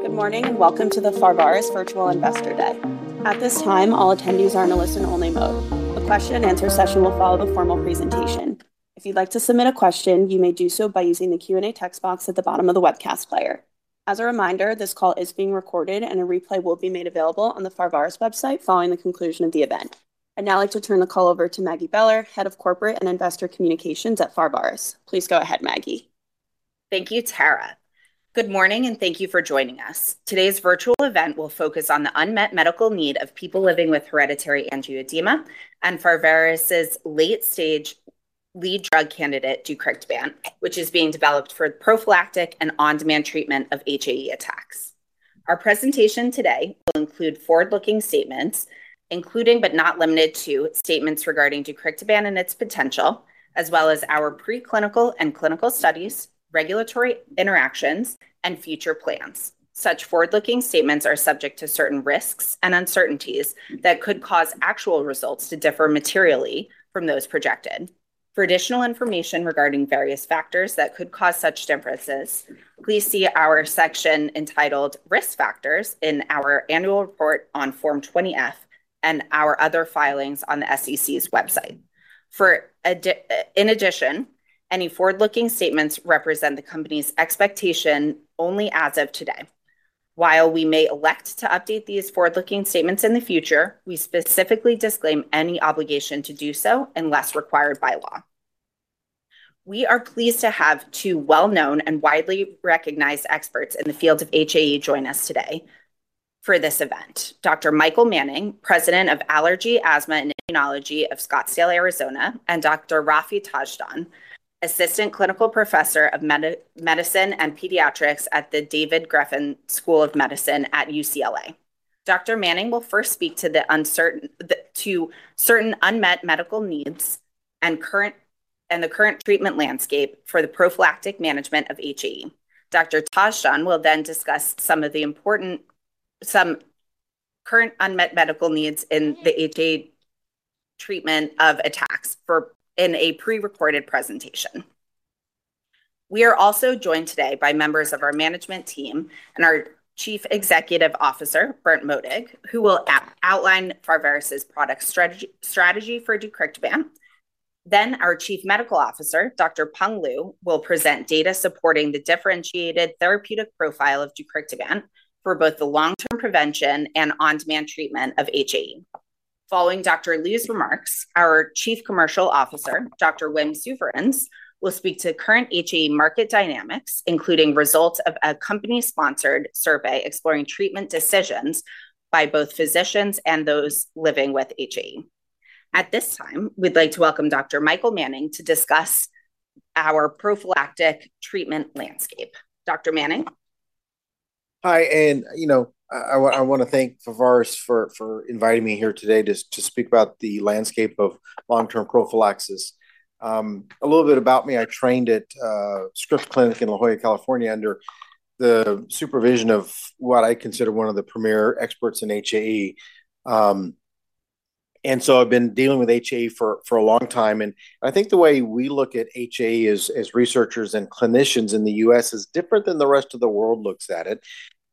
Good morning, and welcome to the Pharvaris Virtual Investor Day. At this time, all attendees are in a listen-only mode. A question-and-answer session will follow the formal presentation. If you'd like to submit a question, you may do so by using the Q&A text box at the bottom of the webcast player. As a reminder, this call is being recorded, and a replay will be made available on the Pharvaris website following the conclusion of the event. I'd now like to turn the call over to Maggie Beller, Head of Corporate and Investor Communications at Pharvaris. Please go ahead, Maggie. Thank you, Tara. Good morning, and thank you for joining us. Today's virtual event will focus on the unmet medical need of people living with hereditary angioedema and Pharvaris' late-stage lead drug candidate, deucrictibant, which is being developed for prophylactic and on-demand treatment of HAE attacks. Our presentation today will include forward-looking statements, including, but not limited to, statements regarding deucrictibant and its potential, as well as our preclinical and clinical studies, regulatory interactions, and future plans. Such forward-looking statements are subject to certain risks and uncertainties that could cause actual results to differ materially from those projected. For additional information regarding various factors that could cause such differences, please see our section entitled Risk Factors in our annual report on Form 20-F and our other filings on the SEC's website. In addition, any forward-looking statements represent the company's expectation only as of today. While we may elect to update these forward-looking statements in the future, we specifically disclaim any obligation to do so unless required by law. We are pleased to have two well-known and widely recognized experts in the field of HAE join us today for this event, Dr. Michael Manning, President of Allergy, Asthma, and Immunology of Scottsdale, Arizona, and Dr. Raffi Tachdjian, Assistant Clinical Professor of Medicine and Pediatrics at the David Geffen School of Medicine at UCLA. Dr. Manning will first speak to certain unmet medical needs and the current treatment landscape for the prophylactic management of HAE. Dr. Tachdjian will then discuss some current unmet medical needs in the HAE treatment of attacks in a pre-recorded presentation. We are also joined today by members of our management team and our Chief Executive Officer, Berndt Modig, who will out-outline Pharvaris' product strategy, strategy for deucrictibant. Then, our Chief Medical Officer, Dr. Peng Lu, will present data supporting the differentiated therapeutic profile of deucrictibant for both the long-term prevention and on-demand treatment of HAE. Following Dr. Lu's remarks, our Chief Commercial Officer, Dr. Wim Souverijns, will speak to current HAE market dynamics, including results of a company-sponsored survey exploring treatment decisions by both physicians and those living with HAE. At this time, we'd like to welcome Dr. Michael Manning to discuss our prophylactic treatment landscape. Dr. Manning? Hi, and you know, I wanna thank Pharvaris for inviting me here today to speak about the landscape of long-term prophylaxis. A little bit about me. I trained at Scripps Clinic in La Jolla, California, under the supervision of what I consider one of the premier experts in HAE. And so I've been dealing with HAE for a long time, and I think the way we look at HAE as researchers and clinicians in the U.S. is different than the rest of the world looks at it.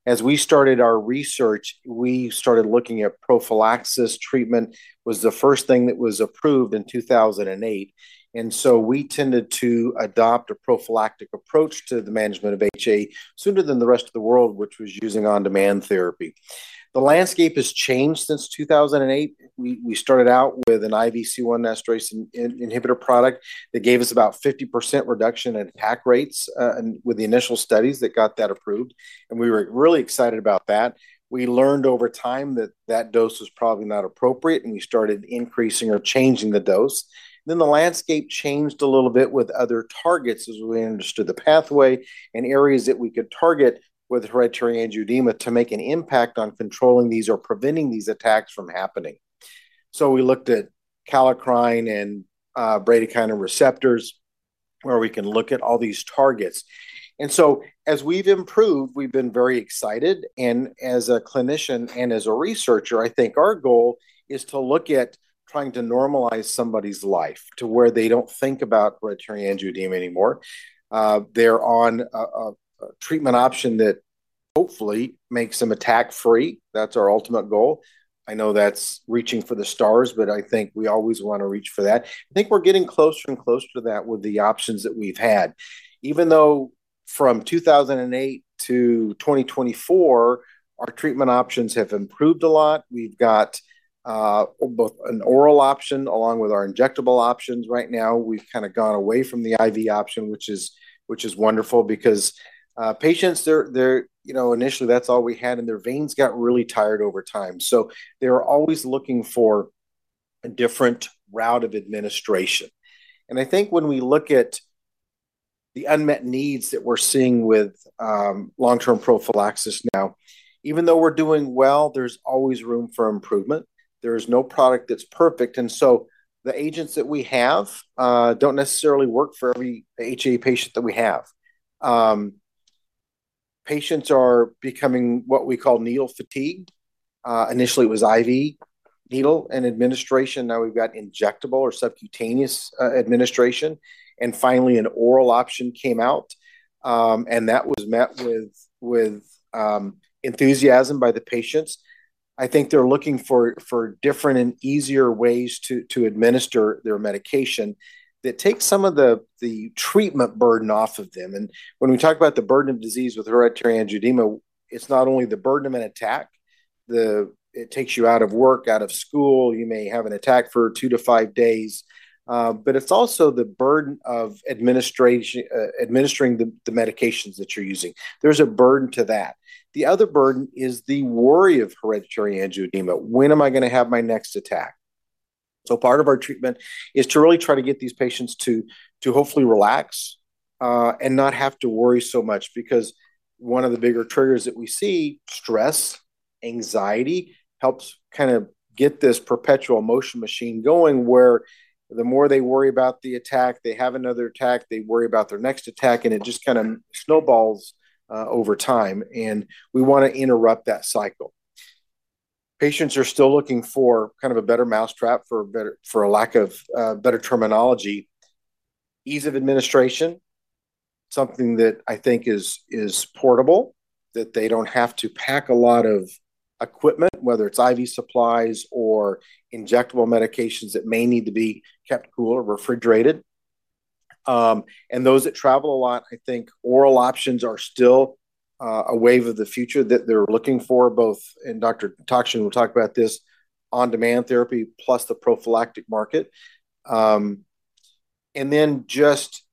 As we started our research, we started looking at prophylaxis. Treatment was the first thing that was approved in 2008, and so we tended to adopt a prophylactic approach to the management of HAE sooner than the rest of the world, which was using on-demand therapy. The landscape has changed since two thousand and eight. We started out with an IV C1 esterase inhibitor product that gave us about 50% reduction in attack rates, and with the initial studies that got that approved, and we were really excited about that. We learned over time that that dose was probably not appropriate, and we started increasing or changing the dose. Then, the landscape changed a little bit with other targets as we understood the pathway and areas that we could target with hereditary angioedema to make an impact on controlling these or preventing these attacks from happening. So we looked at kallikrein and bradykinin receptors, where we can look at all these targets. And so as we've improved, we've been very excited, and as a clinician and as a researcher, I think our goal is to look at trying to normalize somebody's life to where they don't think about hereditary angioedema anymore. They're on a treatment option that hopefully makes them attack-free. That's our ultimate goal. I know that's reaching for the stars, but I think we always wanna reach for that. I think we're getting closer and closer to that with the options that we've had. Even though from 2008 to 2024, our treatment options have improved a lot. We've got both an oral option, along with our injectable options right now. We've kind of gone away from the IV option, which is wonderful because patients they're, you know, initially, that's all we had, and their veins got really tired over time. So they're always looking for a different route of administration. And I think when we look at the unmet needs that we're seeing with long-term prophylaxis now, even though we're doing well, there's always room for improvement. There's no product that's perfect, and so the agents that we have don't necessarily work for every HAE patient that we have. Patients are becoming what we call needle-fatigued. Initially, it was IV needle and administration. Now we've got injectable or subcutaneous administration, and finally, an oral option came out and that was met with enthusiasm by the patients. I think they're looking for different and easier ways to administer their medication that takes some of the treatment burden off of them. When we talk about the burden of disease with hereditary angioedema, it's not only the burden of an attack, it takes you out of work, out of school. You may have an attack for two to five days, but it's also the burden of administering the medications that you're using. There's a burden to that. The other burden is the worry of hereditary angioedema. When am I gonna have my next attack? Part of our treatment is to really try to get these patients to hopefully relax and not have to worry so much, because one of the bigger triggers that we see, stress, anxiety, helps kind of get this perpetual motion machine going, where the more they worry about the attack, they have another attack, they worry about their next attack, and it just kind of snowballs over time, and we want to interrupt that cycle. Patients are still looking for kind of a better mousetrap, for better... for a lack of better terminology, ease of administration, something that I think is portable, that they don't have to pack a lot of equipment, whether it's IV supplies or injectable medications that may need to be kept cool or refrigerated. And those that travel a lot, I think oral options are still a wave of the future that they're looking for, both, and Dr. Tachdjian will talk about this, on-demand therapy plus the prophylactic market. And then just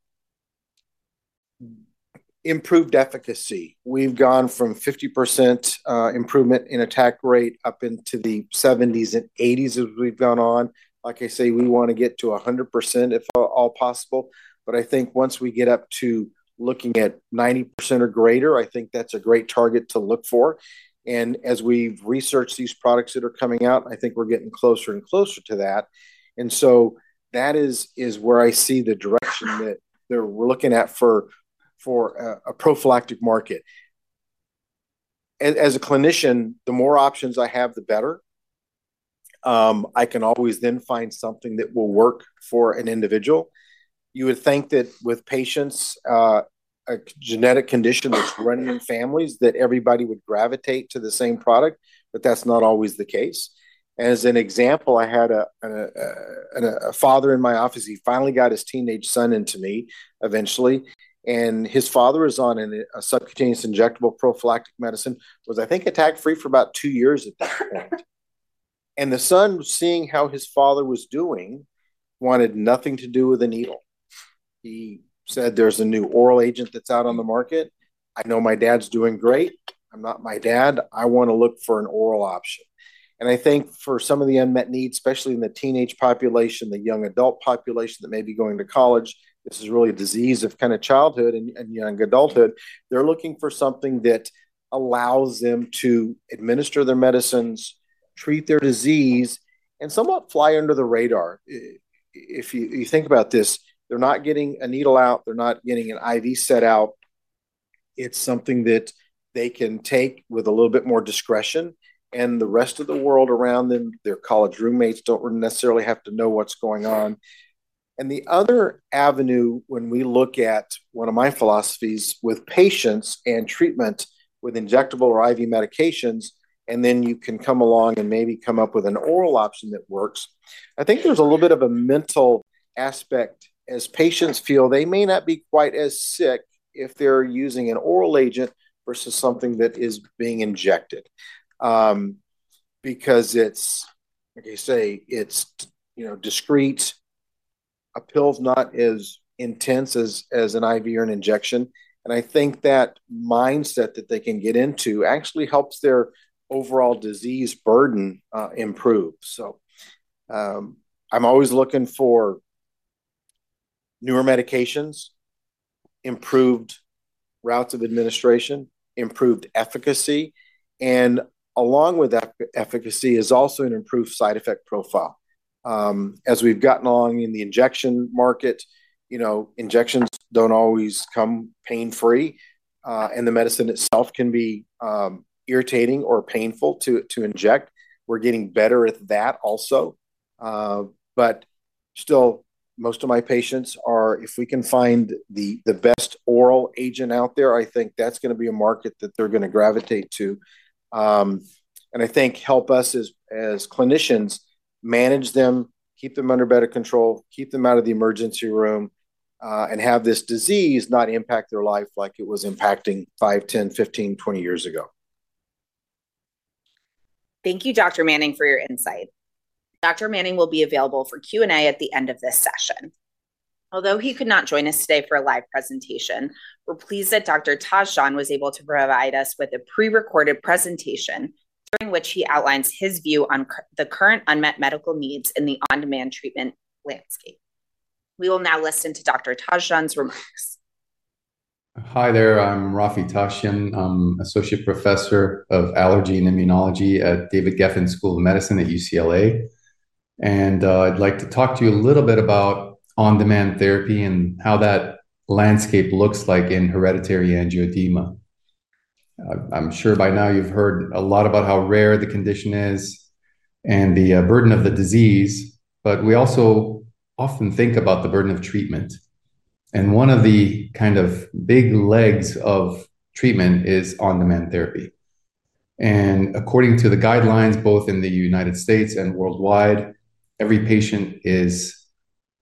improved efficacy. We've gone from 50% improvement in attack rate up into the seventies and eighties as we've gone on. Like I say, we wanna get to 100%, if at all possible, but I think once we get up to looking at 90% or greater, I think that's a great target to look for. And as we've researched these products that are coming out, I think we're getting closer and closer to that. And so that is where I see the direction that we're looking at for a prophylactic market. As a clinician, the more options I have, the better. I can always then find something that will work for an individual. You would think that with patients, a genetic condition that's running in families, that everybody would gravitate to the same product, but that's not always the case. As an example, I had a father in my office. He finally got his teenage son in to me eventually, and his father was on a subcutaneous injectable prophylactic medicine, was, I think, attack-free for about two years at that point. The son, seeing how his father was doing, wanted nothing to do with the needle. He said, "There's a new oral agent that's out on the market. I know my dad's doing great. I'm not my dad. I wanna look for an oral option," and I think for some of the unmet needs, especially in the teenage population, the young adult population that may be going to college, this is really a disease of kind of childhood and young adulthood. They're looking for something that allows them to administer their medicines, treat their disease, and somewhat fly under the radar. If you think about this, they're not getting a needle out. They're not getting an IV set out. It's something that they can take with a little bit more discretion, and the rest of the world around them, their college roommates, don't necessarily have to know what's going on. The other avenue, when we look at one of my philosophies with patients and treatment with injectable or IV medications, and then you can come along and maybe come up with an oral option that works, I think there's a little bit of a mental aspect, as patients feel they may not be quite as sick if they're using an oral agent versus something that is being injected. Because it's, like you say, it's, you know, discreet. A pill's not as intense as an IV or an injection, and I think that mindset that they can get into actually helps their overall disease burden improve. So, I'm always looking for newer medications, improved routes of administration, improved efficacy, and along with that efficacy is also an improved side effect profile. As we've gotten along in the injection market, you know, injections don't always come pain-free, and the medicine itself can be irritating or painful to inject. We're getting better at that also. But still, most of my patients are- if we can find the best oral agent out there, I think that's gonna be a market that they're gonna gravitate to. And I think help us as clinicians, manage them, keep them under better control, keep them out of the emergency room, and have this disease not impact their life like it was impacting five, 10, 15, 20 years ago. Thank you, Dr. Manning, for your insight. Dr. Manning will be available for Q&A at the end of this session. Although he could not join us today for a live presentation, we're pleased that Dr. Tachdjian was able to provide us with a prerecorded presentation, during which he outlines his view on the current unmet medical needs in the on-demand treatment landscape. We will now listen to Dr. Tachdjian's remarks. Hi there. I'm Raffi Tachdjian. I'm associate professor of Allergy and Immunology at David Geffen School of Medicine at UCLA, and I'd like to talk to you a little bit about on-demand therapy and how that landscape looks like in hereditary angioedema.... I'm sure by now you've heard a lot about how rare the condition is and the burden of the disease, but we also often think about the burden of treatment. And one of the kind of big legs of treatment is on-demand therapy. And according to the guidelines, both in the United States and worldwide, every patient is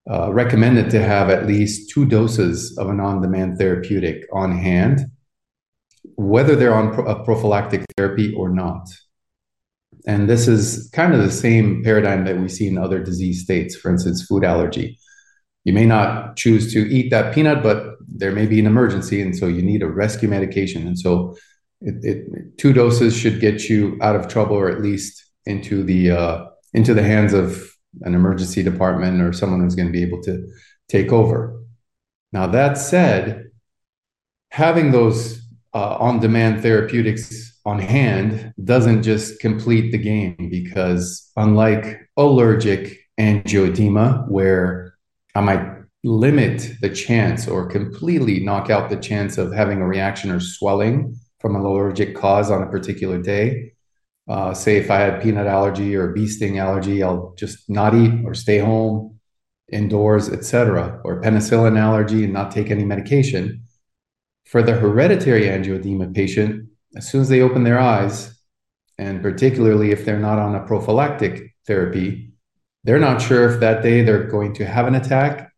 recommended to have at least two doses of an on-demand therapeutic on hand, whether they're on a prophylactic therapy or not. And this is kind of the same paradigm that we see in other disease states, for instance, food allergy. You may not choose to eat that peanut, but there may be an emergency, and so you need a rescue medication. Two doses should get you out of trouble or at least into the hands of an emergency department or someone who's gonna be able to take over. Now, that said, having those on-demand therapeutics on hand doesn't just complete the game, because unlike allergic angioedema, where I might limit the chance or completely knock out the chance of having a reaction or swelling from an allergic cause on a particular day, say, if I had peanut allergy or a bee sting allergy, I'll just not eat or stay home, indoors, et cetera, or penicillin allergy and not take any medication. For the hereditary angioedema patient, as soon as they open their eyes, and particularly if they're not on a prophylactic therapy, they're not sure if that day they're going to have an attack,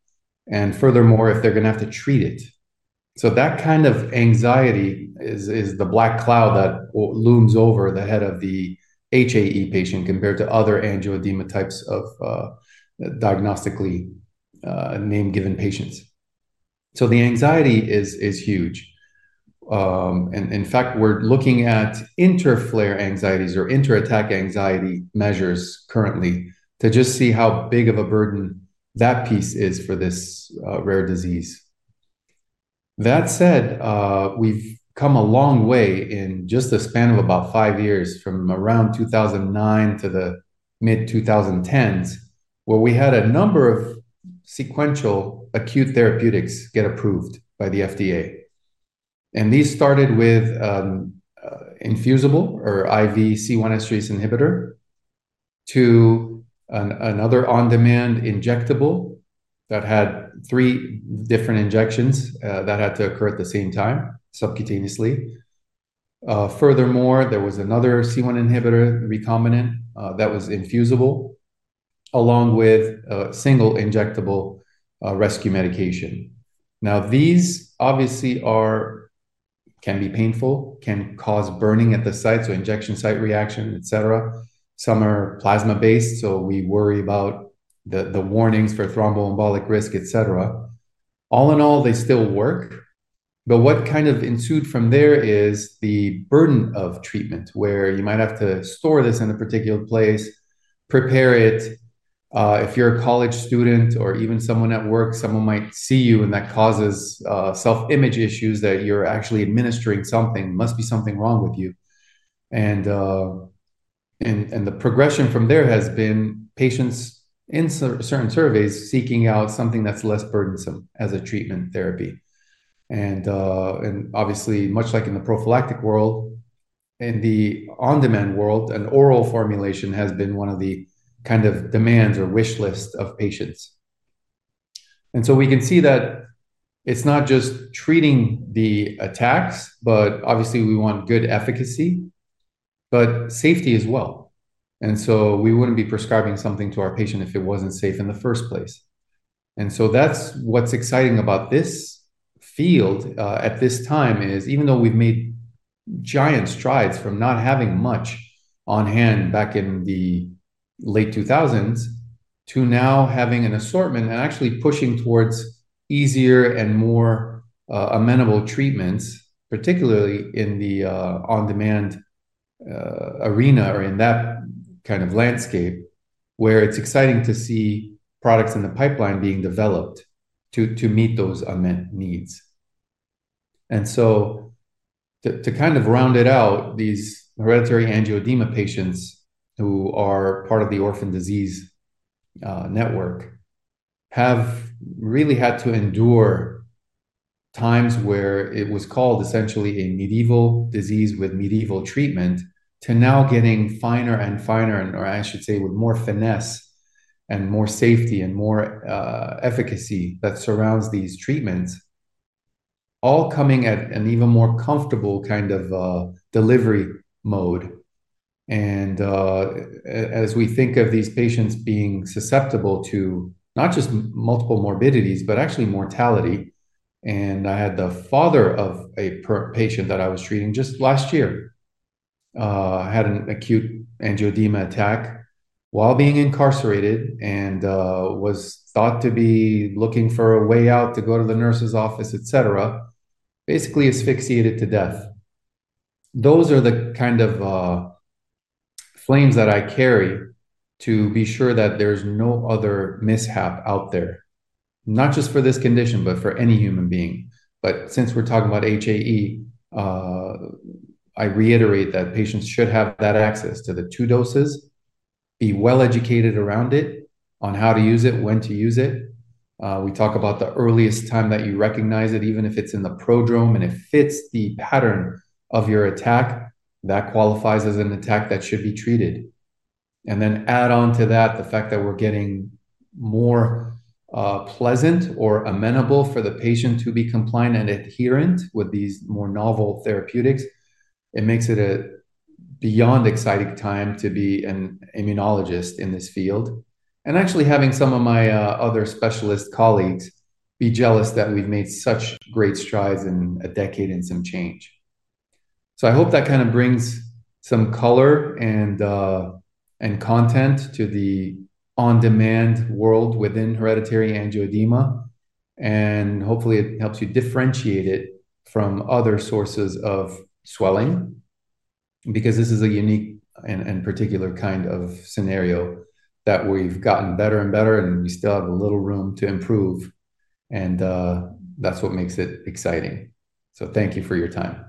and furthermore, if they're gonna have to treat it. So that kind of anxiety is the black cloud that looms over the head of the HAE patient compared to other angioedema types of diagnostically name-given patients. So the anxiety is huge. And, in fact, we're looking at inter-flare anxieties or inter-attack anxiety measures currently to just see how big of a burden that piece is for this rare disease. That said, we've come a long way in just the span of about five years, from around 2009 to the mid-2010s, where we had a number of sequential acute therapeutics get approved by the FDA. These started with infusible or IV C1 esterase inhibitor, to another on-demand injectable that had three different injections that had to occur at the same time, subcutaneously. Furthermore, there was another C1 inhibitor, recombinant, that was infusible, along with a single injectable rescue medication. Now, these obviously are can be painful, can cause burning at the site, so injection site reaction, et cetera. Some are plasma-based, so we worry about the warnings for thromboembolic risk, et cetera. All in all, they still work, but what kind of ensued from there is the burden of treatment, where you might have to store this in a particular place, prepare it. If you're a college student or even someone at work, someone might see you, and that causes self-image issues, that you're actually administering something, must be something wrong with you. And the progression from there has been patients in certain surveys seeking out something that's less burdensome as a treatment therapy. And obviously, much like in the prophylactic world, in the on-demand world, an oral formulation has been one of the kind of demands or wish list of patients. And so we can see that it's not just treating the attacks, but obviously we want good efficacy, but safety as well. And so we wouldn't be prescribing something to our patient if it wasn't safe in the first place. And so that's what's exciting about this field at this time, is even though we've made giant strides from not having much on hand back in the late 2000s, to now having an assortment and actually pushing towards easier and more amenable treatments, particularly in the on-demand arena or in that kind of landscape, where it's exciting to see products in the pipeline being developed to meet those unmet needs. And so to kind of round it out, these hereditary angioedema patients who are part of the orphan disease network have really had to endure times where it was called essentially a medieval disease with medieval treatment, to now getting finer and finer, or I should say, with more finesse and more safety and more efficacy that surrounds these treatments, all coming at an even more comfortable kind of delivery mode. As we think of these patients being susceptible to not just multiple morbidities, but actually mortality. And I had the father of a patient that I was treating just last year had an acute angioedema attack while being incarcerated and was thought to be looking for a way out to go to the nurse's office, et cetera, basically asphyxiated to death. Those are the kind of flames that I carry to be sure that there's no other mishap out there, not just for this condition, but for any human being. But since we're talking about HAE, I reiterate that patients should have that access to the two doses, be well-educated around it, on how to use it, when to use it. We talk about the earliest time that you recognize it, even if it's in the prodrome, and it fits the pattern of your attack, that qualifies as an attack that should be treated. And then add on to that the fact that we're getting more pleasant or amenable for the patient to be compliant and adherent with these more novel therapeutics. It makes it a beyond exciting time to be an immunologist in this field, and actually having some of my other specialist colleagues be jealous that we've made such great strides in a decade and some change, so I hope that kind of brings some color and content to the on-demand world within hereditary angioedema, and hopefully it helps you differentiate it from other sources of swelling, because this is a unique and particular kind of scenario that we've gotten better and better, and we still have a little room to improve, and that's what makes it exciting, so thank you for your time.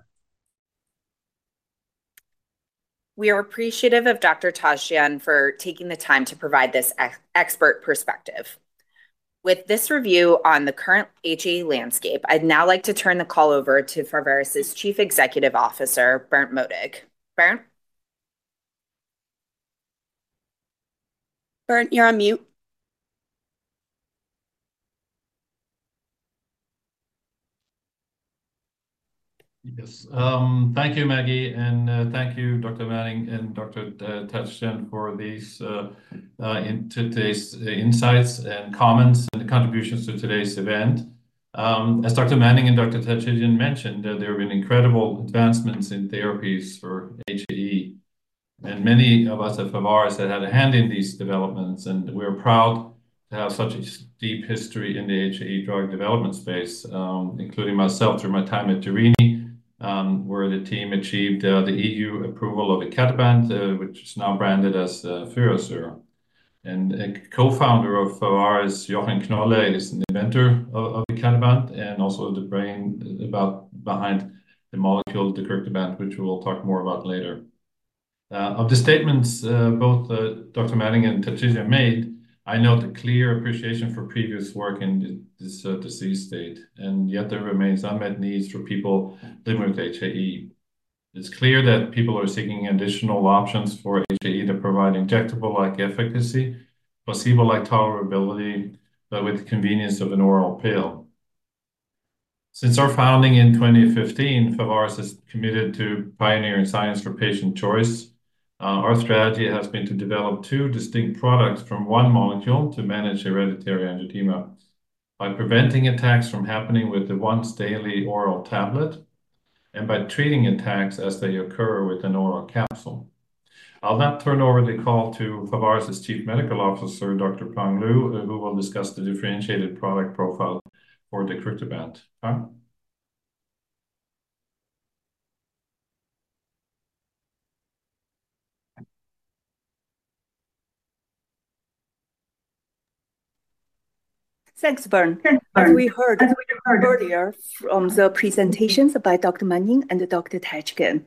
We are appreciative of Dr. Tachdjian for taking the time to provide this expert perspective. With this review on the current HAE landscape, I'd now like to turn the call over to Pharvaris' Chief Executive Officer, Berndt Modig. Berndt? Berndt, you're on mute. Yes, thank you, Maggie, and, thank you, Dr. Manning and Dr. Tachdjian, for these, in today's insights and comments and contributions to today's event. As Dr. Manning and Dr. Tachdjian mentioned, there have been incredible advancements in therapies for HAE, and many of us at Pharvaris have had a hand in these developments, and we're proud to have such a deep history in the HAE drug development space, including myself through my time at Jerini, where the team achieved, the EU approval of icatibant, which is now branded as the Firazyr. And a co-founder of Pharvaris, Jochen Knolle, is the inventor of icatibant and also the brain behind the molecule, the deucrictibant, which we'll talk more about later. Of the statements, both, Dr. Manning and Tachdjian. I note a clear appreciation for previous work in this disease state, and yet there remains unmet needs for people living with HAE. It's clear that people are seeking additional options for HAE to provide injectable-like efficacy, placebo-like tolerability, but with the convenience of an oral pill. Since our founding in twenty fifteen, Pharvaris is committed to pioneering science for patient choice. Our strategy has been to develop two distinct products from one molecule to manage hereditary angioedema by preventing attacks from happening with the once daily oral tablet and by treating attacks as they occur with an oral capsule. I'll now turn over the call to Pharvaris' Chief Medical Officer, Dr. Peng Lu, who will discuss the differentiated product profile for the deucrictibant. Peng? Thanks, Berndt. As we heard earlier from the presentations by Dr. Manning and Dr. Tachdjian,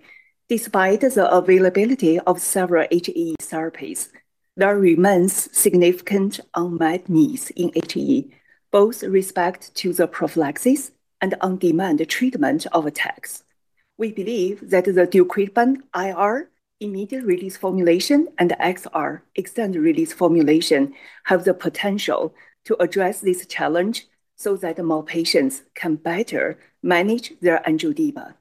despite the availability of several HAE therapies, there remains significant unmet needs in HAE, both with respect to the prophylaxis and on-demand treatment of attacks. We believe that the deucrictibant IR, immediate-release formulation, and XR, extended-release formulation, have the potential to address this challenge so that more patients can better manage their angioedema.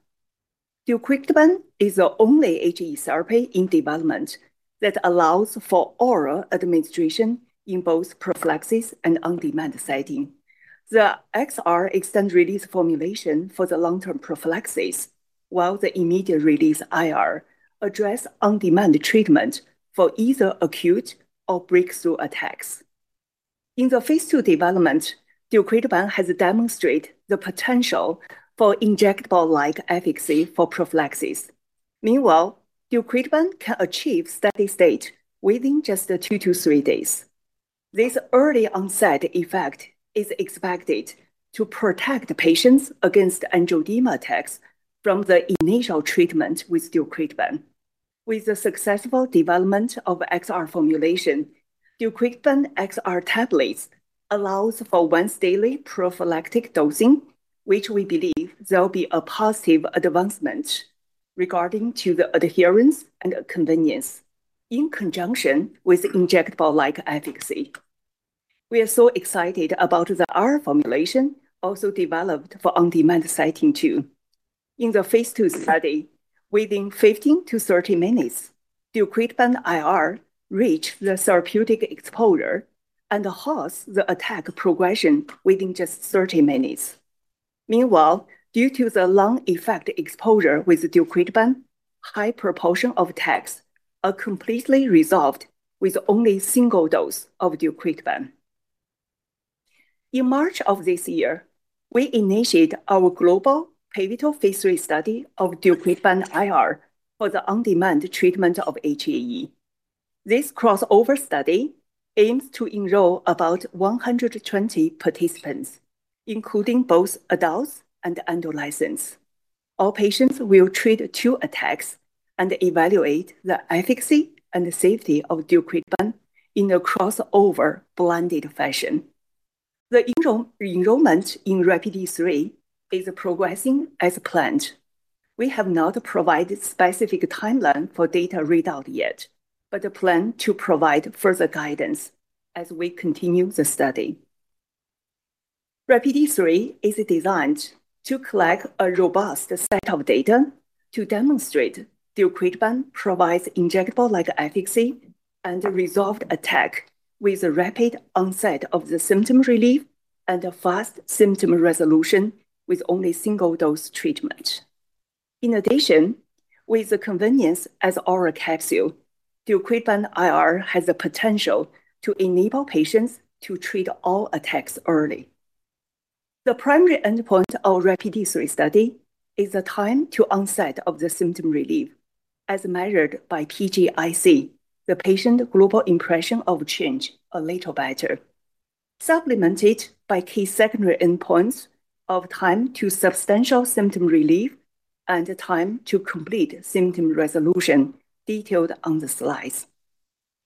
Deucrictibant is the only HAE therapy in development that allows for oral administration in both prophylaxis and on-demand setting. The XR extended-release formulation for the long-term prophylaxis, while the immediate-release IR address on-demand treatment for either acute or breakthrough attacks. In the Phase 2 development, deucrictibant has demonstrated the potential for injectable-like efficacy for prophylaxis. Meanwhile, deucrictibant can achieve steady state within just two to three days. This early onset effect is expected to protect the patients against angioedema attacks from the initial treatment with deucrictibant. With the successful development of XR formulation, deucrictibant XR tablets allows for once daily prophylactic dosing, which we believe there will be a positive advancement regarding to the adherence and convenience in conjunction with injectable-like efficacy. We are so excited about the R formulation, also developed for on-demand setting too. In the Phase 2 study, within 15-30 minutes, deucrictibant IR reached the therapeutic exposure and halts the attack progression within just 30 minutes. Meanwhile, due to the long effect exposure with deucrictibant, high proportion of attacks are completely resolved with only single dose of deucrictibant. In March of this year, we initiated our global pivotal Phase 3 study of deucrictibant IR for the on-demand treatment of HAE. This crossover study aims to enroll about one hundred and twenty participants, including both adults and adolescents. All patients will treat two attacks and evaluate the efficacy and the safety of deucrictibant in a crossover blinded fashion. The enrollment in RAPIDe-3 is progressing as planned. We have not provided specific timeline for data readout yet, but plan to provide further guidance as we continue the study. RAPIDe-3 is designed to collect a robust set of data to demonstrate deucrictibant provides injectable-like efficacy and resolved attack with a rapid onset of the symptom relief and a fast symptom resolution with only single-dose treatment. In addition, with the convenience as oral capsule, deucrictibant IR has the potential to enable patients to treat all attacks early. The primary endpoint of RAPIDe-3 study is the time to onset of the symptom relief, as measured by PGIC, the Patient Global Impression of Change, a little better, supplemented by key secondary endpoints of time to substantial symptom relief and time to complete symptom resolution, detailed on the slides.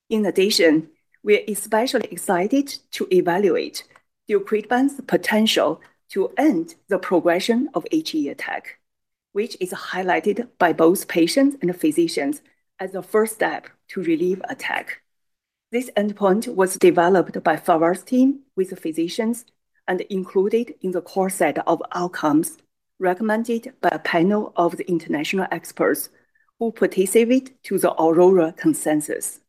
In addition, we are especially excited to evaluate deucrictibant's potential to end the progression of HAE attack, which is highlighted by both patients and physicians as a first step to relieve attack. This endpoint was developed by Pharvaris' team with physicians and included in the core set of outcomes recommended by a panel of the international experts who participate to the AURORA consensus.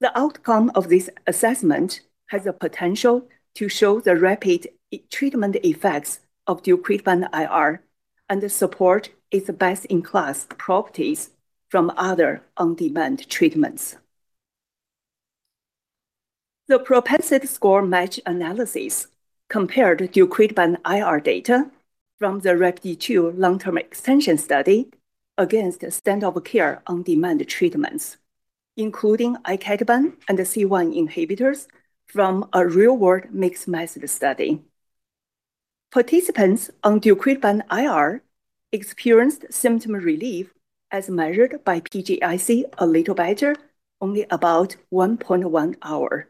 The outcome of this assessment has the potential to show the rapid, treatment effects of deucrictibant IR, and support its best-in-class properties from other on-demand treatments. The propensity score match analysis compared deucrictibant IR data from the RAPID-2 long-term extension study against standard of care on-demand treatments, including icatibant and the C1 inhibitors from a real-world mixed method study. Participants on deucrictibant IR experienced symptom relief as measured by PGIC, a little better, only about 1.1 hours,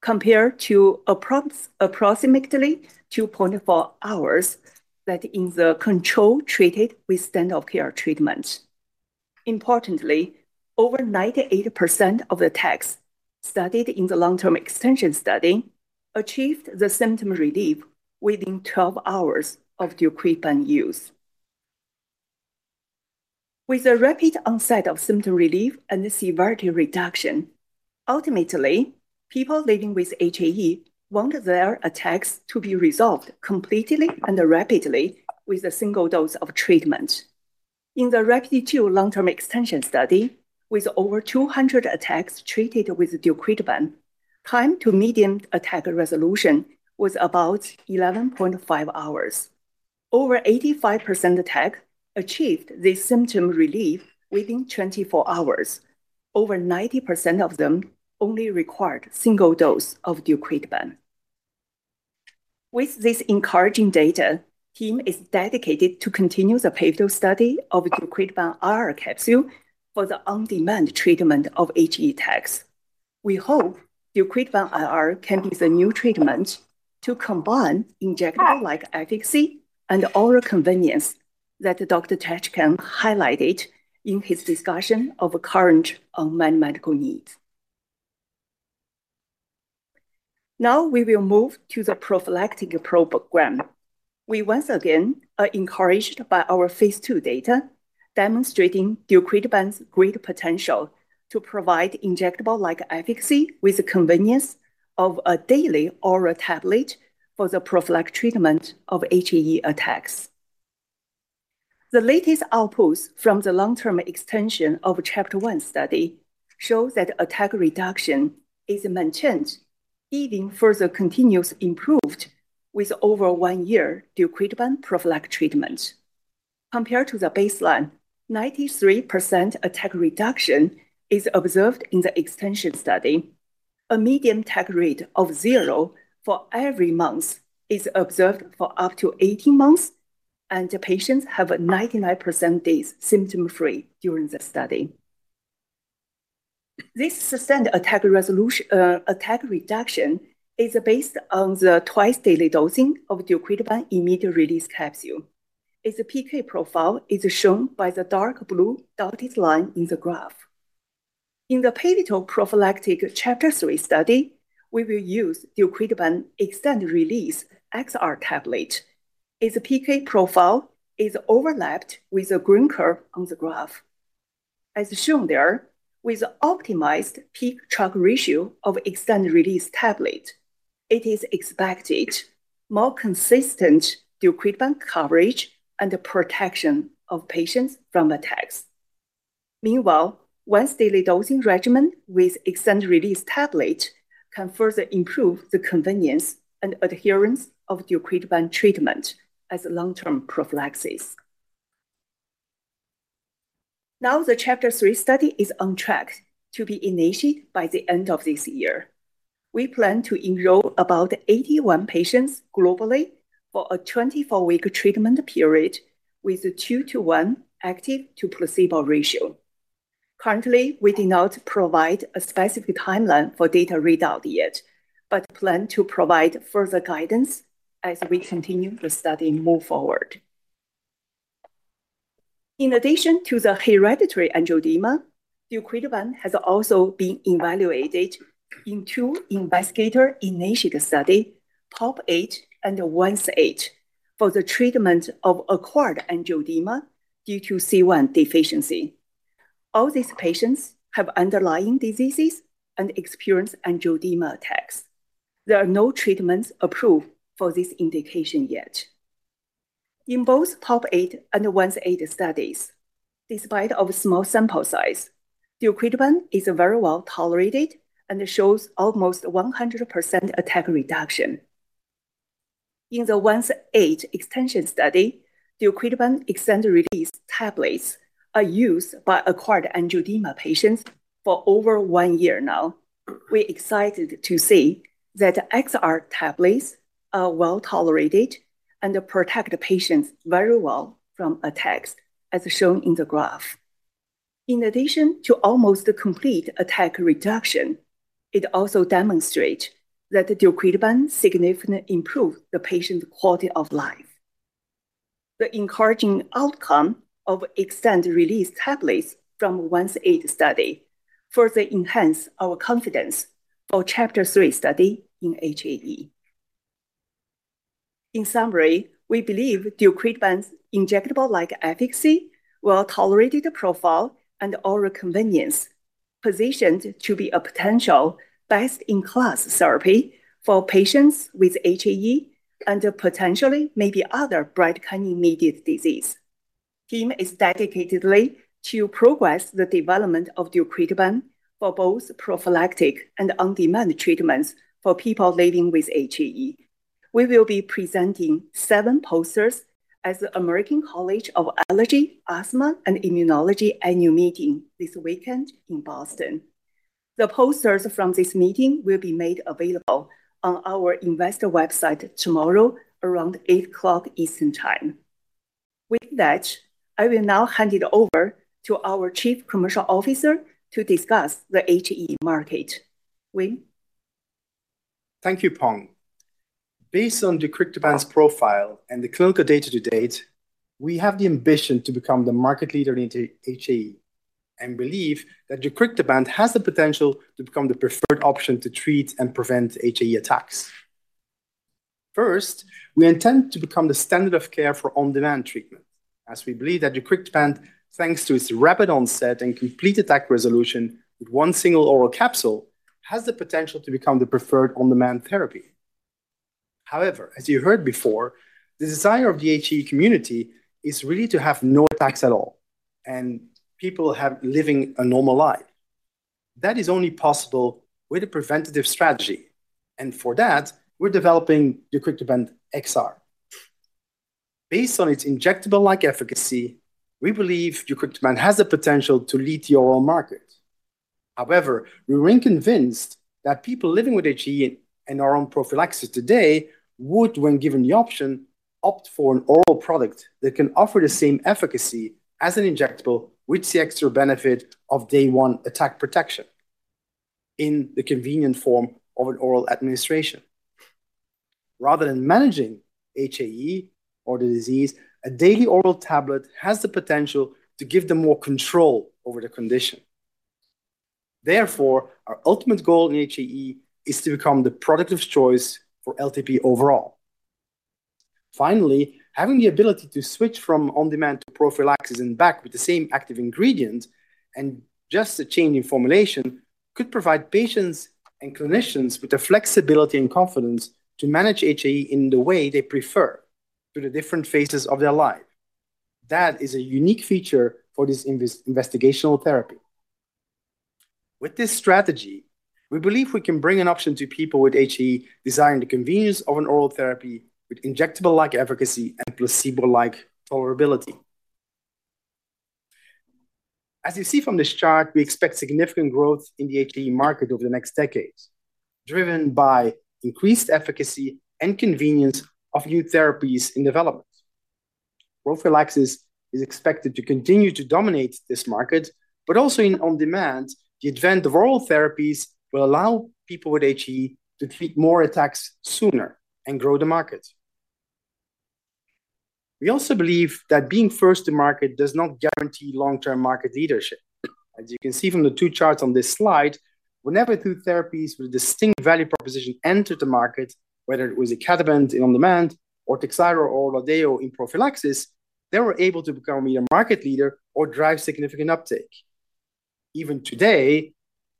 compared to approximately 2.4 hours that in the control treated with standard of care treatment. Importantly, over 98% of the attacks studied in the long-term extension study achieved the symptom relief within 12 hours of deucrictibant use. With the rapid onset of symptom relief and the severity reduction, ultimately, people living with HAE want their attacks to be resolved completely and rapidly with a single dose of treatment. In the RAPID-2 long-term extension study, with over 200 attacks treated with deucrictibant, time to median attack resolution was about 11.5 hours. Over 85% attacks achieved this symptom relief within 24 hours. Over 90% of them only required a single dose of deucrictibant. With this encouraging data, the team is dedicated to continue the pivotal study of deucrictibant IR capsule for the on-demand treatment of HAE attacks. We hope deucrictibant IR can be the new treatment to combine injectable-like efficacy and oral convenience that Dr. Tachdjian highlighted in his discussion of current unmet medical needs. Now, we will move to the prophylactic program. We once again are encouraged by our Phase 2 data, demonstrating deucrictibant's great potential to provide injectable-like efficacy with the convenience of a daily oral tablet for the prophylactic treatment of HAE attacks. The latest outputs from the long-term extension of CHAPTER-1 study show that attack reduction is maintained, even further continuous improved with over one year deucrictibant prophylactic treatment. Compared to the baseline, 93% attack reduction is observed in the extension study. A medium attack rate of zero for every month is observed for up to 18 months, and the patients have 99% days symptom-free during the study. This sustained attack reduction is based on the twice-daily dosing of deucrictibant immediate-release capsule. Its PK profile is shown by the dark blue dotted line in the graph. In the pivotal prophylactic CHAPTER-3 study, we will use deucrictibant extended-release XR tablet. Its PK profile is overlapped with a green curve on the graph. As shown there, with optimized peak trough ratio of extended-release tablet, it is expected more consistent deucrictibant coverage and the protection of patients from attacks. Meanwhile, once daily dosing regimen with extended-release tablet can further improve the convenience and adherence of deucrictibant treatment as long-term prophylaxis. Now the CHAPTER-3 study is on track to be initiated by the end of this year. We plan to enroll about 81 patients globally for a 24-week treatment period, with a 2-to-1 active to placebo ratio. Currently, we do not provide a specific timeline for data readout yet, but plan to provide further guidance as we continue the study move forward. In addition to the hereditary angioedema, deucrictibant has also been evaluated in two investigator-initiated study, POP-H and ONCE-H, for the treatment of acquired angioedema due to C1 deficiency. All these patients have underlying diseases and experience angioedema attacks. There are no treatments approved for this indication yet. In both POP-H and ONCE-H studies, despite of small sample size, deucrictibant is very well tolerated and shows almost 100% attack reduction. In the ONCE-H extension study, deucrictibant extended-release tablets are used by acquired angioedema patients for over one year now. We're excited to see that XR tablets are well tolerated and protect the patients very well from attacks, as shown in the graph. In addition to almost complete attack reduction, it also demonstrate that the deucrictibant significantly improve the patient's quality of life. The encouraging outcome of extended-release tablets from ONCE-H study further enhance our confidence for CHAPTER-3 study in HAE. In summary, we believe deucrictibant's injectable-like efficacy, well-tolerated profile, and oral convenience positioned to be a potential best-in-class therapy for patients with HAE and potentially maybe other bradykinin-mediated disease. team is dedicatedly to progress the development of deucrictibant for both prophylactic and on-demand treatments for people living with HAE. We will be presenting seven posters at the American College of Allergy, Asthma, and Immunology annual meeting this weekend in Boston. The posters from this meeting will be made available on our investor website tomorrow around 8:00 A.M. Eastern Time. With that, I will now hand it over to our Chief Commercial Officer to discuss the HAE market. Wim? Thank you, Peng. Based on deucrictibant's profile and the clinical data to date, we have the ambition to become the market leader in HAE, and believe that deucrictibant has the potential to become the preferred option to treat and prevent HAE attacks. First, we intend to become the standard of care for on-demand treatment, as we believe that deucrictibant, thanks to its rapid onset and complete attack resolution with one single oral capsule, has the potential to become the preferred on-demand therapy. However, as you heard before, the desire of the HAE community is really to have no attacks at all, and people having a normal life. That is only possible with a preventive strategy, and for that, we're developing deucrictibant XR. Based on its injectable-like efficacy, we believe deucrictibant has the potential to lead the oral market. However, we remain convinced that people living with HAE and are on prophylaxis today would, when given the option, opt for an oral product that can offer the same efficacy as an injectable, with the extra benefit of day one attack protection in the convenient form of an oral administration. Rather than managing HAE or the disease, a daily oral tablet has the potential to give them more control over the condition. Therefore, our ultimate goal in HAE is to become the product of choice for LTP overall. Finally, having the ability to switch from on-demand to prophylaxis and back with the same active ingredient and just a change in formulation, could provide patients and clinicians with the flexibility and confidence to manage HAE in the way they prefer through the different phases of their life. That is a unique feature for this investigational therapy. With this strategy, we believe we can bring an option to people with HAE, desiring the convenience of an oral therapy with injectable-like efficacy and placebo-like tolerability. As you see from this chart, we expect significant growth in the HAE market over the next decades, driven by increased efficacy and convenience of new therapies in development. Prophylaxis is expected to continue to dominate this market, but also in on-demand, the advent of oral therapies will allow people with HAE to treat more attacks sooner and grow the market. We also believe that being first to market does not guarantee long-term market leadership. As you can see from the two charts on this slide, whenever two therapies with a distinct value proposition entered the market, whether it was a Kalbitor in on-demand or Takhzyro or Haegarda in prophylaxis, they were able to become either market leader or drive significant uptake. Even today,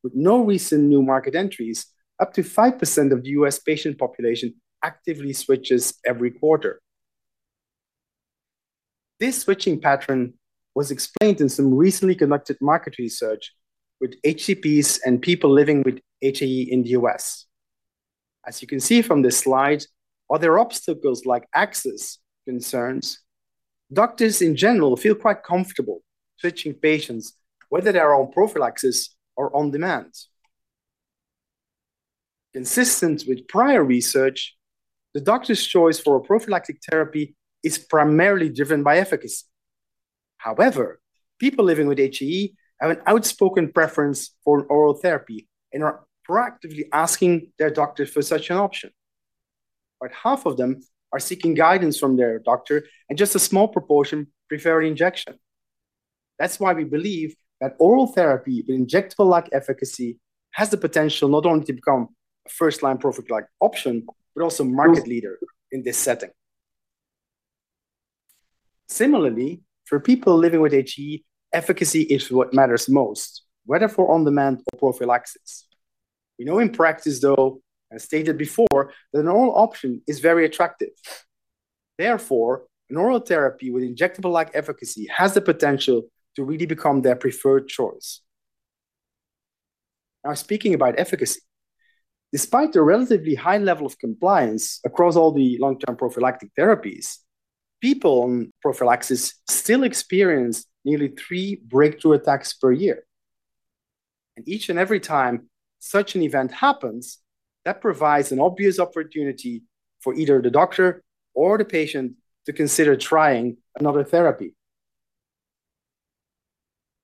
with no recent new market entries, up to 5% of the U.S. patient population actively switches every quarter. This switching pattern was explained in some recently conducted market research with HCPs and people living with HAE in the U.S. As you can see from this slide: Are there obstacles like access concerns? Doctors, in general, feel quite comfortable switching patients, whether they're on prophylaxis or on-demand. Consistent with prior research, the doctor's choice for a prophylactic therapy is primarily driven by efficacy. However, people living with HAE have an outspoken preference for an oral therapy and are proactively asking their doctor for such an option. But half of them are seeking guidance from their doctor, and just a small proportion prefer an injection. That's why we believe that oral therapy with injectable-like efficacy has the potential not only to become a first-line prophylactic option, but also market leader in this setting. Similarly, for people living with HAE, efficacy is what matters most, whether for on-demand or prophylaxis. We know in practice, though, as stated before, that an oral option is very attractive. Therefore, an oral therapy with injectable-like efficacy has the potential to really become their preferred choice. Now, speaking about efficacy, despite the relatively high level of compliance across all the long-term prophylactic therapies, people on prophylaxis still experience nearly three breakthrough attacks per year, and each and every time such an event happens, that provides an obvious opportunity for either the doctor or the patient to consider trying another therapy.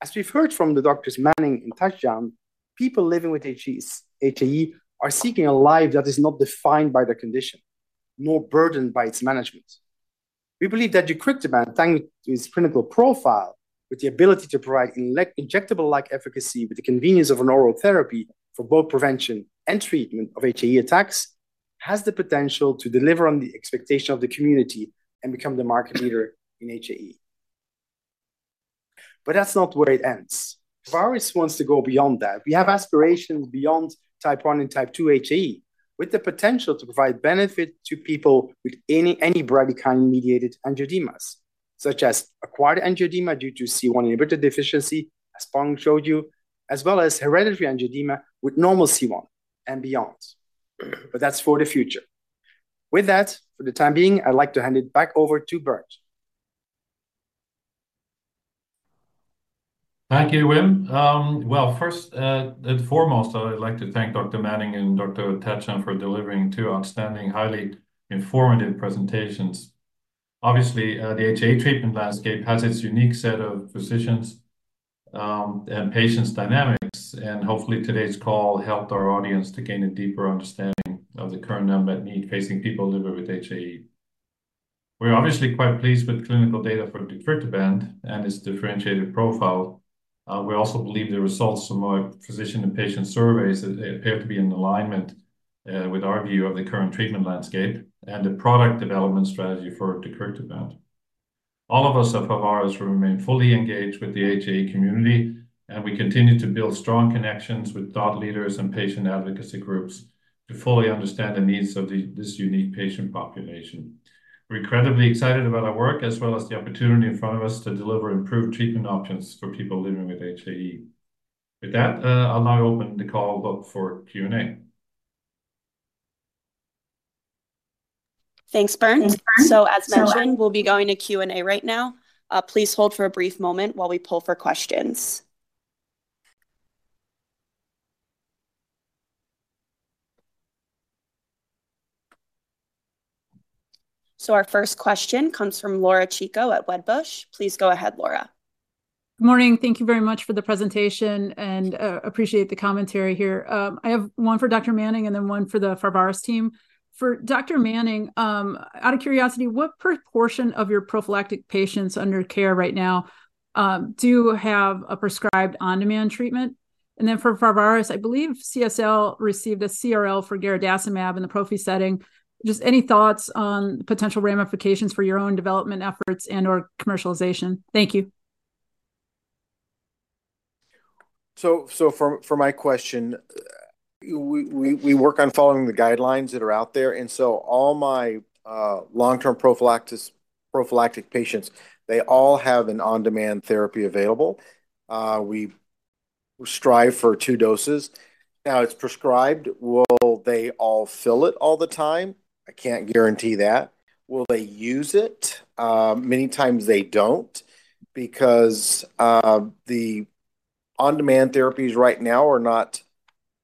As we've heard from the doctors Manning and Tachdjian, people living with HAE are seeking a life that is not defined by their condition, nor burdened by its management. We believe that deucrictibant, thanks to its clinical profile, with the ability to provide injectable-like efficacy with the convenience of an oral therapy for both prevention and treatment of HAE attacks, has the potential to deliver on the expectation of the community and become the market leader in HAE. But that's not where it ends. Pharvaris wants to go beyond that. We have aspirations beyond type one and type two HAE, with the potential to provide benefit to people with any bradykinin-mediated angioedemas, such as acquired angioedema due to C1 inhibitor deficiency, as Peng showed you, as well as hereditary angioedema with normal C1 and beyond. But that's for the future. With that, for the time being, I'd like to hand it back over to Berndt. Thank you, Wim. Well, first, and foremost, I'd like to thank Dr. Manning and Dr. Tachdjian for delivering two outstanding, highly informative presentations. Obviously, the HAE treatment landscape has its unique set of physicians, and patients' dynamics, and hopefully, today's call helped our audience to gain a deeper understanding of the current unmet need facing people living with HAE. We're obviously quite pleased with the clinical data for deucrictibant and its differentiated profile. We also believe the results from our physician and patient surveys, they appear to be in alignment, with our view of the current treatment landscape and the product development strategy for deucrictibant. All of us at Pharvaris will remain fully engaged with the HAE community, and we continue to build strong connections with thought leaders and patient advocacy groups to fully understand the needs of the, this unique patient population. We're incredibly excited about our work, as well as the opportunity in front of us to deliver improved treatment options for people living with HAE. With that, I'll now open the call up for Q&A. Thanks, Berndt. So as mentioned, we'll be going to Q&A right now. Please hold for a brief moment while we poll for questions. So our first question comes from Laura Chico at Wedbush. Please go ahead, Laura. Good morning. Thank you very much for the presentation, and appreciate the commentary here. I have one for Dr. Manning and then one for the Pharvaris team. For Dr. Manning, out of curiosity, what proportion of your prophylactic patients under care right now, do have a prescribed on-demand treatment? And then for Pharvaris, I believe CSL received a CRL for garadacimab in the prophy setting. Just any thoughts on potential ramifications for your own development efforts and/or commercialization? Thank you. For my question, we work on following the guidelines that are out there, and so all my long-term prophylactic patients, they all have an on-demand therapy available. We strive for two doses. Now, it's prescribed. Will they all fill it all the time? I can't guarantee that. Will they use it? Many times they don't because the on-demand therapies right now are not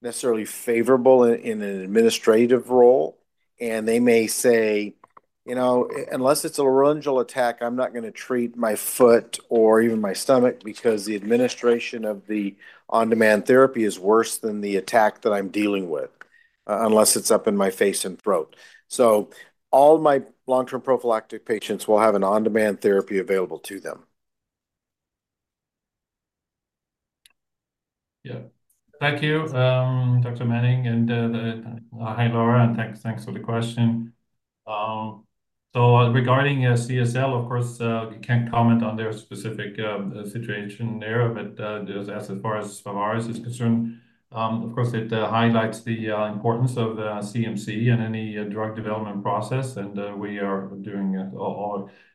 necessarily favorable in an administrative role, and they may say, "You know, unless it's a laryngeal attack, I'm not gonna treat my foot or even my stomach because the administration of the on-demand therapy is worse than the attack that I'm dealing with, unless it's up in my face and throat." So all my long-term prophylactic patients will have an on-demand therapy available to them. Yeah. Thank you, Dr. Manning, and the. Hi, Laura, and thanks for the question. So regarding CSL, of course, we can't comment on their specific situation there, but, as far as Pharvaris is concerned, of course, it highlights the importance of CMC in any drug development process, and we are doing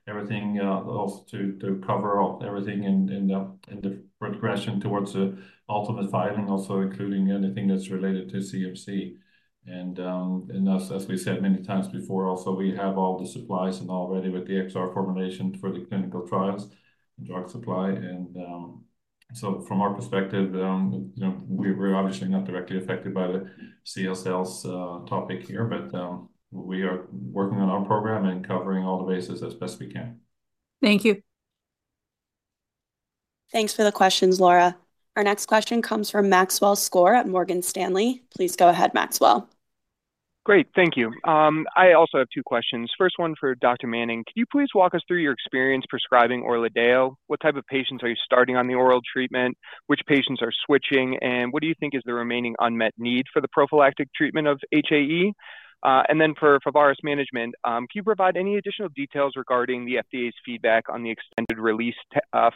everything also to cover everything in the progression towards the ultimate filing, also including anything that's related to CMC. And as we said many times before, also, we have all the supplies and already with the XR formulation for the clinical trials and drug supply, and. So from our perspective, you know, we're obviously not directly affected by the CSL's topic here, but we are working on our program and covering all the bases as best we can. Thank you. Thanks for the questions, Laura. Our next question comes from Maxwell Skor at Morgan Stanley. Please go ahead, Maxwell. Great. Thank you. I also have two questions. First one for Dr. Manning: could you please walk us through your experience prescribing Orladeyo? What type of patients are you starting on the oral treatment? Which patients are switching, and what do you think is the remaining unmet need for the prophylactic treatment of HAE? And then for Pharvaris management, can you provide any additional details regarding the FDA's feedback on the extended-release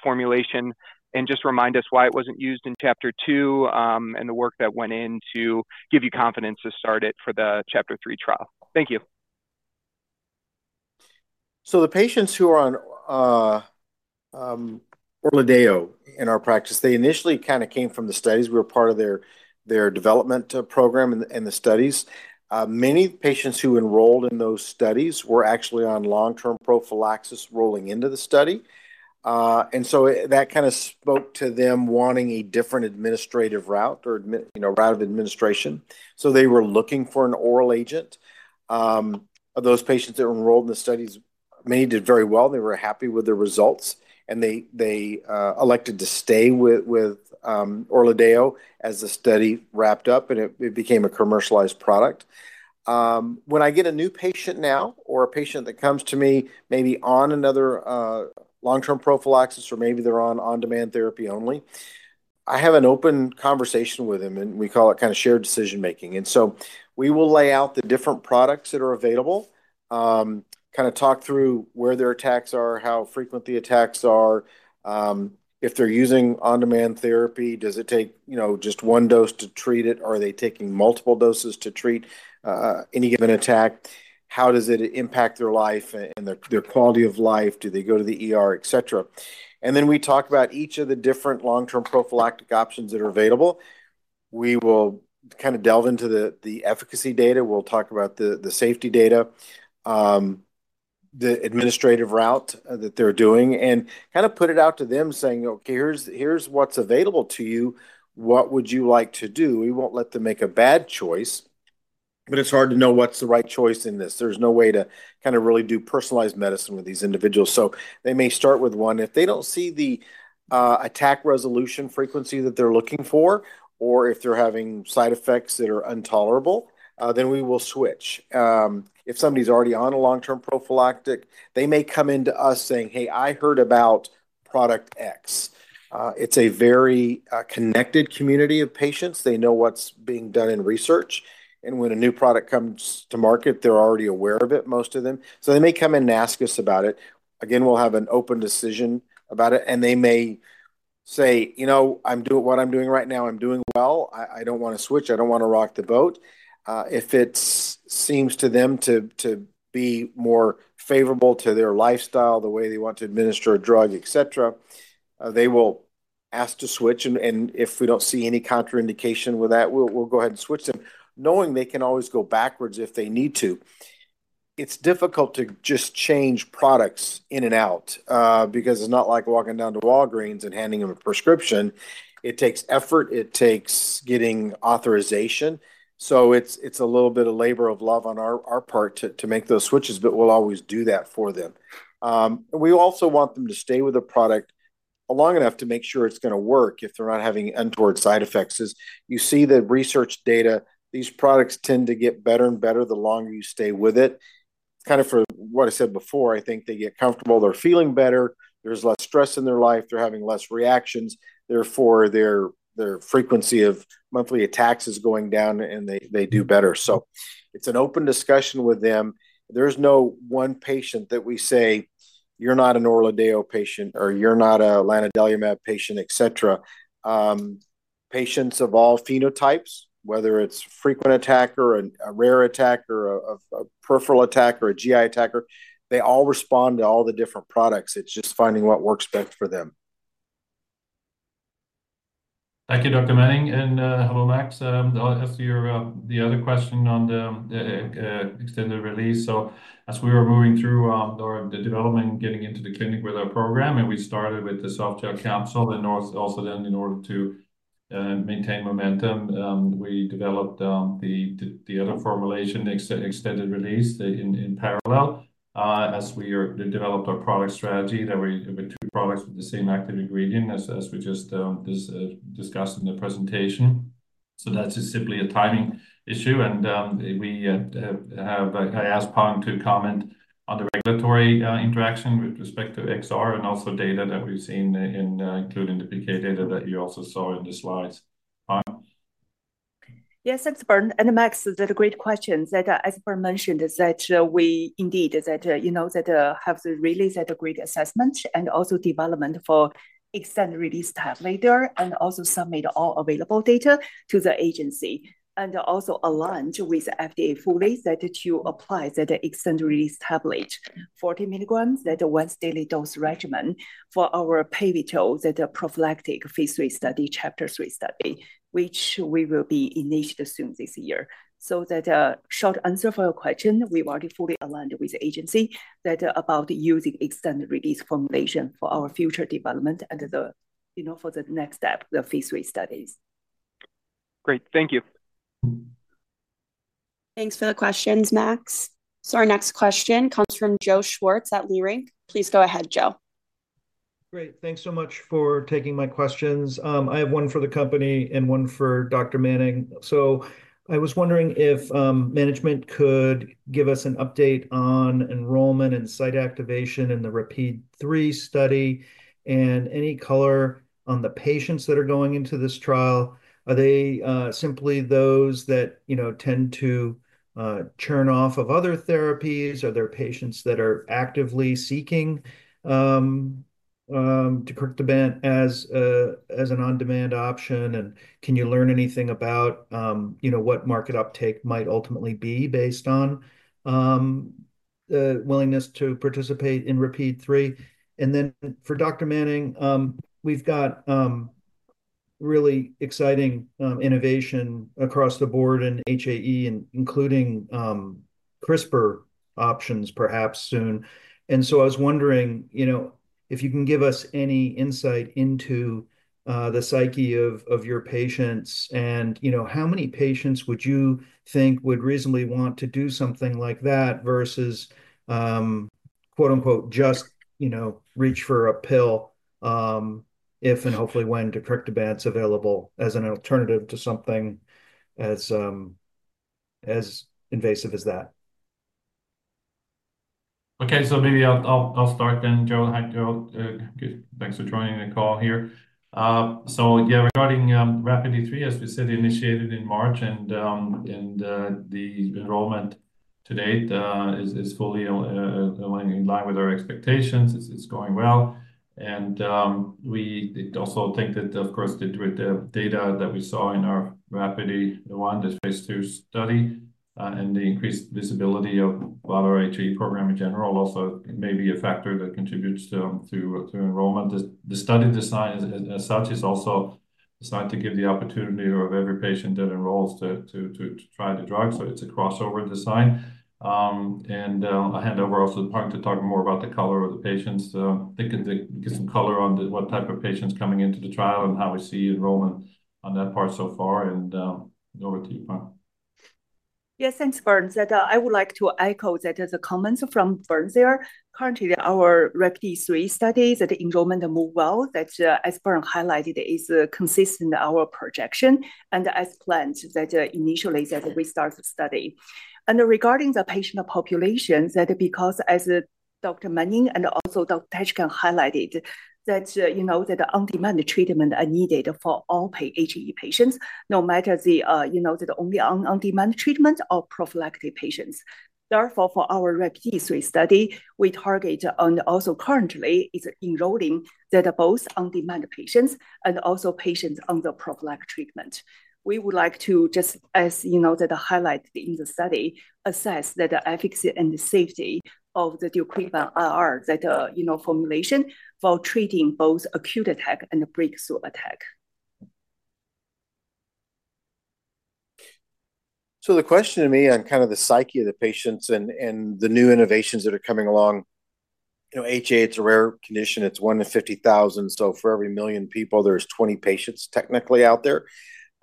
formulation? And just remind us why it wasn't used in CHAPTER-2, and the work that went in to give you confidence to start it for the CHAPTER-3 trial. Thank you. So the patients who are on Orladeyo in our practice, they initially kinda came from the studies. We were part of their development program and the studies. Many patients who enrolled in those studies were actually on long-term prophylaxis rolling into the study. That kinda spoke to them wanting a different administrative route or administration, you know, route of administration. So they were looking for an oral agent. Of those patients that were enrolled in the studies, many did very well. They were happy with the results, and they elected to stay with Orladeyo as the study wrapped up, and it became a commercialized product. When I get a new patient now or a patient that comes to me maybe on another long-term prophylaxis, or maybe they're on on-demand therapy only, I have an open conversation with them, and we call it kinda shared decision-making, and so we will lay out the different products that are available, kinda talk through where their attacks are, how frequent the attacks are. If they're using on-demand therapy, does it take, you know, just one dose to treat it, or are they taking multiple doses to treat any given attack? How does it impact their life and their quality of life? Do they go to the ER, et cetera, and then we talk about each of the different long-term prophylactic options that are available. We will kinda delve into the efficacy data. We'll talk about the safety data, the administration route that they're doing, and kinda put it out to them, saying, "Okay, here's what's available to you. What would you like to do?" We won't let them make a bad choice, but it's hard to know what's the right choice in this. There's no way to kinda really do personalized medicine with these individuals, so they may start with one. If they don't see the attack resolution frequency that they're looking for, or if they're having side effects that are intolerable, then we will switch. If somebody's already on a long-term prophylactic, they may come into us saying, "Hey, I heard about product X." It's a very connected community of patients. They know what's being done in research, and when a new product comes to market, they're already aware of it, most of them. So they may come in and ask us about it. Again, we'll have an open decision about it, and they may say, "You know, I'm doing what I'm doing right now, I'm doing well. I don't wanna switch. I don't wanna rock the boat." If it seems to them to be more favorable to their lifestyle, the way they want to administer a drug, et cetera, they will ask to switch, and if we don't see any contraindication with that, we'll go ahead and switch them, knowing they can always go backwards if they need to. It's difficult to just change products in and out, because it's not like walking down to Walgreens and handing them a prescription. It takes effort. It takes getting authorization, so it's a little bit of labor of love on our part to make those switches, but we'll always do that for them. We also want them to stay with a product long enough to make sure it's gonna work if they're not having untoward side effects. As you see the research data, these products tend to get better and better the longer you stay with it. Kinda for what I said before, I think they get comfortable. They're feeling better. There's less stress in their life. They're having less reactions. Therefore, their frequency of monthly attacks is going down, and they do better. So it's an open discussion with them. There's no one patient that we say, "You're not an Orladeyo patient," or, "You're not a lanadelumab patient," et cetera. Patients of all phenotypes, whether it's frequent attacker, a rare attacker, a peripheral attacker, a GI attacker, they all respond to all the different products. It's just finding what works best for them. Thank you, Dr. Manning, and hello, Max. I'll answer your other question on the extended release. As we were moving through our development, getting into the clinic with our program, and we started with the softgel capsule, and also then in order to maintain momentum, we developed the other formulation, extended release, in parallel. As we developed our product strategy, there were two products with the same active ingredient as we just discussed in the presentation. So that's just simply a timing issue, and we have. I asked Peng to comment on the regulatory interaction with respect to XR and also data that we've seen in including the PK data that you also saw in the slides. Peng? Yes, thanks, Berndt, and Max, that's a great question. As Berndt mentioned, we indeed, you know, have really set a great assessment and also development for the extended-release tablet and also submit all available data to the agency. We also aligned with the FDA fully set to apply the extended-release tablet, 40 milligrams, that's the once-daily dose regimen for our pivotal, that's a prophylactic Phase 3 study, CHAPTER-3 study, which we will initiate soon this year. That's the short answer for your question. We've already fully aligned with the agency about using the extended-release formulation for our future development and, you know, for the next step, the Phase 3 studies.... Great. Thank you. Thanks for the questions, Max. So our next question comes from Joe Schwartz at Leerink. Please go ahead, Joe. Great. Thanks so much for taking my questions. I have one for the company and one for Dr. Manning. So I was wondering if management could give us an update on enrollment and site activation in the RAPIDe-3 study, and any color on the patients that are going into this trial. Are they simply those that, you know, tend to churn off of other therapies? Are there patients that are actively seeking deucrictibant as a, as an on-demand option? And can you learn anything about, you know, what market uptake might ultimately be based on the willingness to participate in RAPIDe-3? And then for Dr. Manning, we've got really exciting innovation across the board in HAE, including CRISPR options perhaps soon. I was wondering, you know, if you can give us any insight into the psyche of your patients and, you know, how many patients would you think would reasonably want to do something like that versus quote, unquote, "Just, you know, reach for a pill," if and hopefully when deucrictibant's available as an alternative to something as invasive as that? Okay, so maybe I'll start then, Joe. Hi, Joe. Good. Thanks for joining the call here. So yeah, regarding RAPIDe-3, as we said, initiated in March, and the enrollment to date is fully in line with our expectations. It's going well. And we also think that, of course, with the data that we saw in our RAPIDe-1, the Phase 2 study, and the increased visibility of our HAE program in general also may be a factor that contributes to enrollment. The study design as such is also designed to give the opportunity of every patient that enrolls to try the drug, so it's a crossover design. I'll hand over also to Peng to talk more about the color of the patients. They can get some color on what type of patients coming into the trial and how we see enrollment on that part so far. Over to you, Peng. Yes, thanks, Berndt. That, I would like to echo that, the comments from Berndt there. Currently, our RAPIDe-3 study, the enrollment move well. That, as Berndt highlighted, is, consistent our projection and as planned that, initially that we start the study. And regarding the patient population, that because as Dr. Manning and also Dr. Tachdjian highlighted, that, you know, that on-demand treatment are needed for all HAE patients, no matter the, you know, the only on-demand treatment or prophylactic patients. Therefore, for our RAPIDe-3 study, we target, and also currently is enrolling, that are both on-demand patients and also patients on the prophylactic treatment. We would like to just, as you know, that the highlight in the study assess that the efficacy and the safety of the deucrictibant XR, that, you know, formulation for treating both acute attack and breakthrough attack. So the question to me on kind of the psyche of the patients and the new innovations that are coming along, you know, HAE. It's a rare condition. It's 1 in 50,000, so for every 1 million people, there are 20 patients technically out there.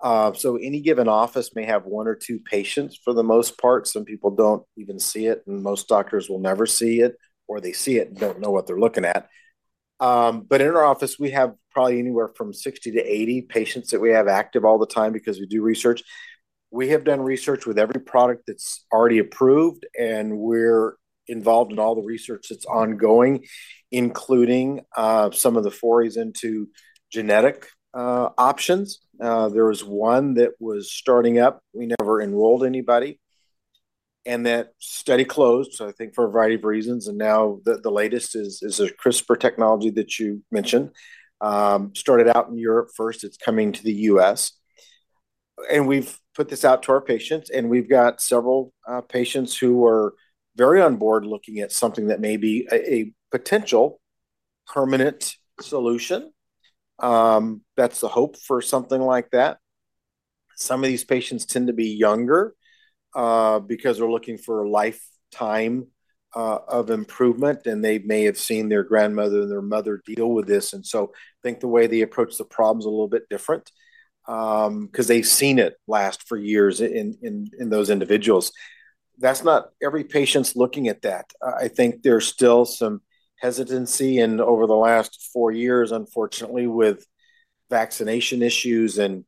So any given office may have 1 or 2 patients for the most part. Some people don't even see it, and most doctors will never see it, or they see it and don't know what they're looking at. But in our office, we have probably anywhere from 60 to 80 patients that we have active all the time because we do research. We have done research with every product that's already approved, and we're involved in all the research that's ongoing, including some of the forays into genetic options. There was one that was starting up. We never enrolled anybody, and that study closed, so I think for a variety of reasons, and now the latest is a CRISPR technology that you mentioned. Started out in Europe first, it's coming to the U.S., and we've put this out to our patients, and we've got several patients who are very on board looking at something that may be a potential permanent solution. That's the hope for something like that. Some of these patients tend to be younger because they're looking for a lifetime of improvement, and they may have seen their grandmother and their mother deal with this. And so I think the way they approach the problem is a little bit different 'cause they've seen it last for years in those individuals. That's not every patient's looking at that. I think there's still some hesitancy, and over the last four years, unfortunately, with vaccination issues and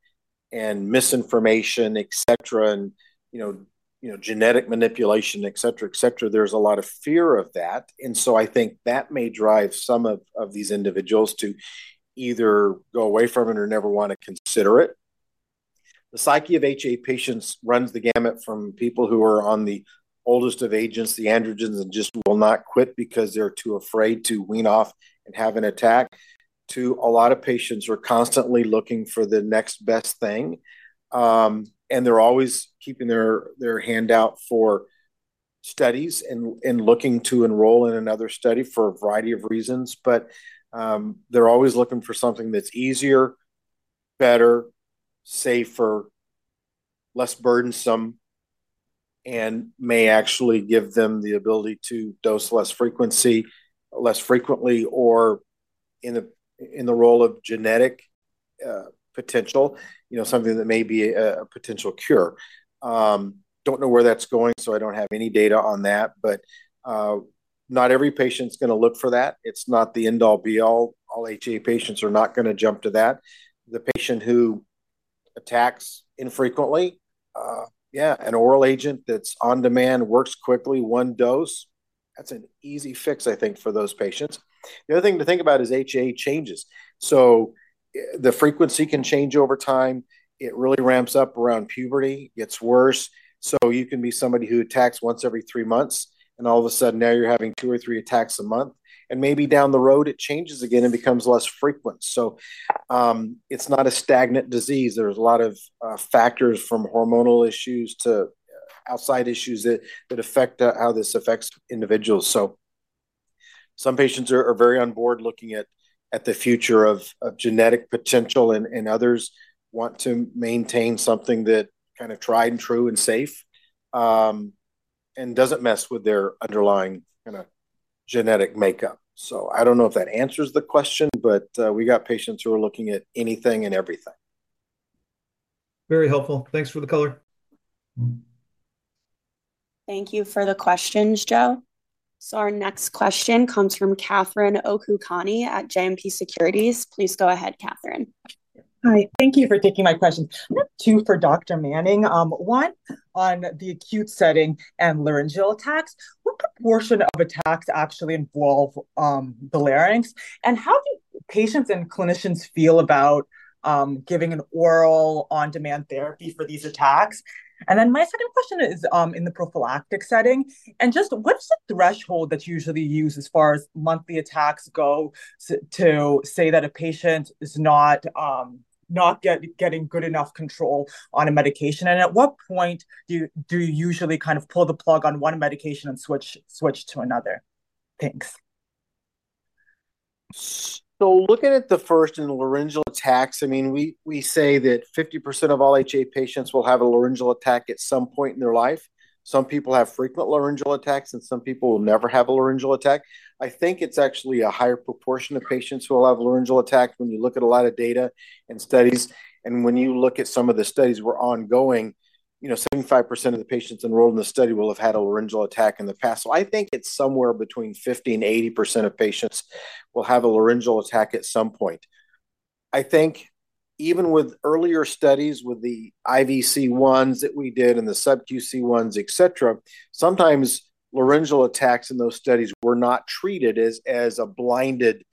misinformation, etc., and you know, genetic manipulation, etc., there's a lot of fear of that, and so I think that may drive some of these individuals to either go away from it or never want to consider it. The psyche of HAE patients runs the gamut from people who are on the oldest of ages, the androgens, and just will not quit because they're too afraid to wean off and have an attack, to a lot of patients who are constantly looking for the next best thing, and they're always keeping their hand out for studies and looking to enroll in another study for a variety of reasons, but they're always looking for something that's easier, better, safer, less burdensome. And may actually give them the ability to dose less frequency, less frequently, or in the role of genetic potential, you know, something that may be a potential cure. Don't know where that's going, so I don't have any data on that, but not every patient's gonna look for that. It's not the end-all be-all. All HA patients are not gonna jump to that. The patient who attacks infrequently, yeah, an oral agent that's on demand, works quickly, one dose, that's an easy fix, I think, for those patients. The other thing to think about is HA changes. So, the frequency can change over time. It really ramps up around puberty, gets worse. You can be somebody who attacks once every three months, and all of a sudden, now you're having two or three attacks a month, and maybe down the road it changes again and becomes less frequent. It's not a stagnant disease. There's a lot of factors from hormonal issues to outside issues that affect how this affects individuals. Some patients are very on board looking at the future of genetic potential, and others want to maintain something that kind of tried and true and safe, and doesn't mess with their underlying kinda genetic makeup. I don't know if that answers the question, but we got patients who are looking at anything and everything. Very helpful. Thanks for the color. Thank you for the questions, Joe. So our next question comes from Catherine Okoukoni at JMP Securities. Please go ahead, Catherine. Hi. Thank you for taking my questions. I have two for Dr. Manning. One on the acute setting and laryngeal attacks. What proportion of attacks actually involve the larynx? And how do patients and clinicians feel about giving an oral on-demand therapy for these attacks? And then my second question is in the prophylactic setting, and just what is the threshold that's usually used as far as monthly attacks go to say that a patient is not getting good enough control on a medication? And at what point do you usually kind of pull the plug on one medication and switch to another? Thanks. Looking at the first in laryngeal attacks, I mean, we say that 50% of all HAE patients will have a laryngeal attack at some point in their life. Some people have frequent laryngeal attacks, and some people will never have a laryngeal attack. I think it's actually a higher proportion of patients who will have a laryngeal attack when you look at a lot of data and studies. When you look at some of the studies that were ongoing, you know, 75% of the patients enrolled in the study will have had a laryngeal attack in the past. I think it's somewhere between 50% and 80% of patients will have a laryngeal attack at some point. I think even with earlier studies, with the IV ones that we did and the sub-Q ones, et cetera, sometimes laryngeal attacks in those studies were not treated as a blinded,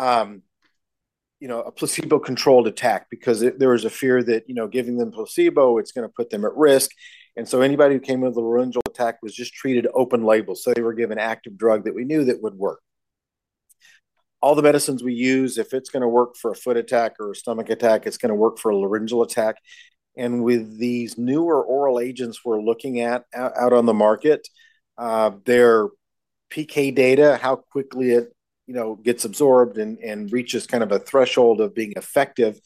you know, a placebo-controlled attack because there was a fear that, you know, giving them placebo, it's gonna put them at risk. And so anybody who came in with a laryngeal attack was just treated open label, so they were given active drug that we knew that would work. All the medicines we use, if it's gonna work for a foot attack or a stomach attack, it's gonna work for a laryngeal attack. And with these newer oral agents we're looking at out on the market, their PK data, how quickly it you know gets absorbed and reaches kind of a threshold of being effective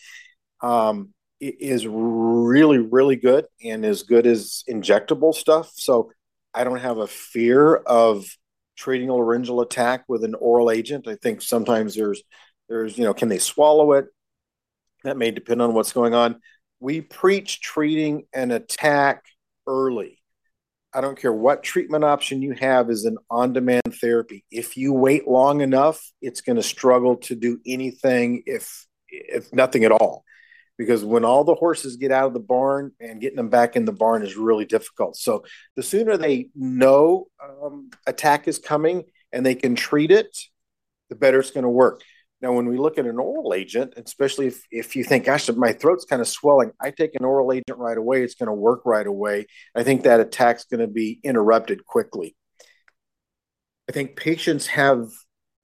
is really really good and as good as injectable stuff. So I don't have a fear of treating a laryngeal attack with an oral agent. I think sometimes there's you know can they swallow it? That may depend on what's going on. We preach treating an attack early. I don't care what treatment option you have is an on-demand therapy. If you wait long enough, it's gonna struggle to do anything, if nothing at all. Because when all the horses get out of the barn, and getting them back in the barn is really difficult. The sooner they know an attack is coming, and they can treat it, the better it's gonna work. Now, when we look at an oral agent, especially if you think, "Gosh, my throat's kinda swelling," I take an oral agent right away, it's gonna work right away. I think that attack's gonna be interrupted quickly. I think patients have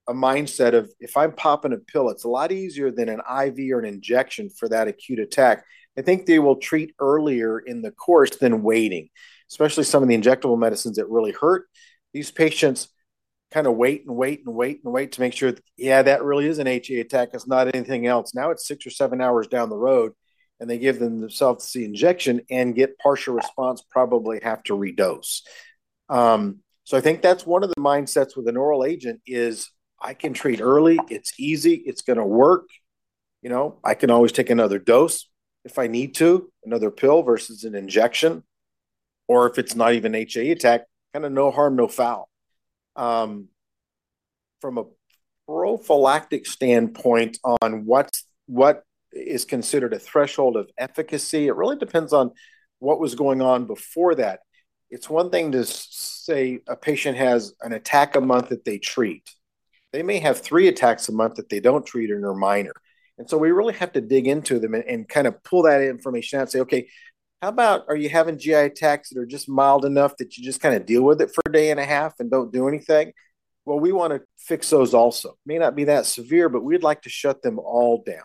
a mindset of, "If I'm popping a pill, it's a lot easier than an IV or an injection for that acute attack." I think they will treat earlier in the course than waiting, especially some of the injectable medicines that really hurt. These patients kinda wait and wait and wait and wait to make sure, "Yeah, that really is an HAE attack. It's not anything else." Now, it's six or seven hours down the road, and they give themselves the injection and get partial response, probably have to redose. So I think that's one of the mindsets with an oral agent is, "I can treat early. It's easy. It's gonna work. You know, I can always take another dose if I need to, another pill versus an injection. Or if it's not even HAE attack, kinda no harm, no foul." From a prophylactic standpoint on what is considered a threshold of efficacy, it really depends on what was going on before that. It's one thing to say a patient has an attack a month that they treat. They may have three attacks a month that they don't treat and are minor. And so we really have to dig into them and kind of pull that information out and say, "Okay, how about, are you having GI attacks that are just mild enough that you just kinda deal with it for a day and a half and don't do anything?" Well, we wanna fix those also. May not be that severe, but we'd like to shut them all down.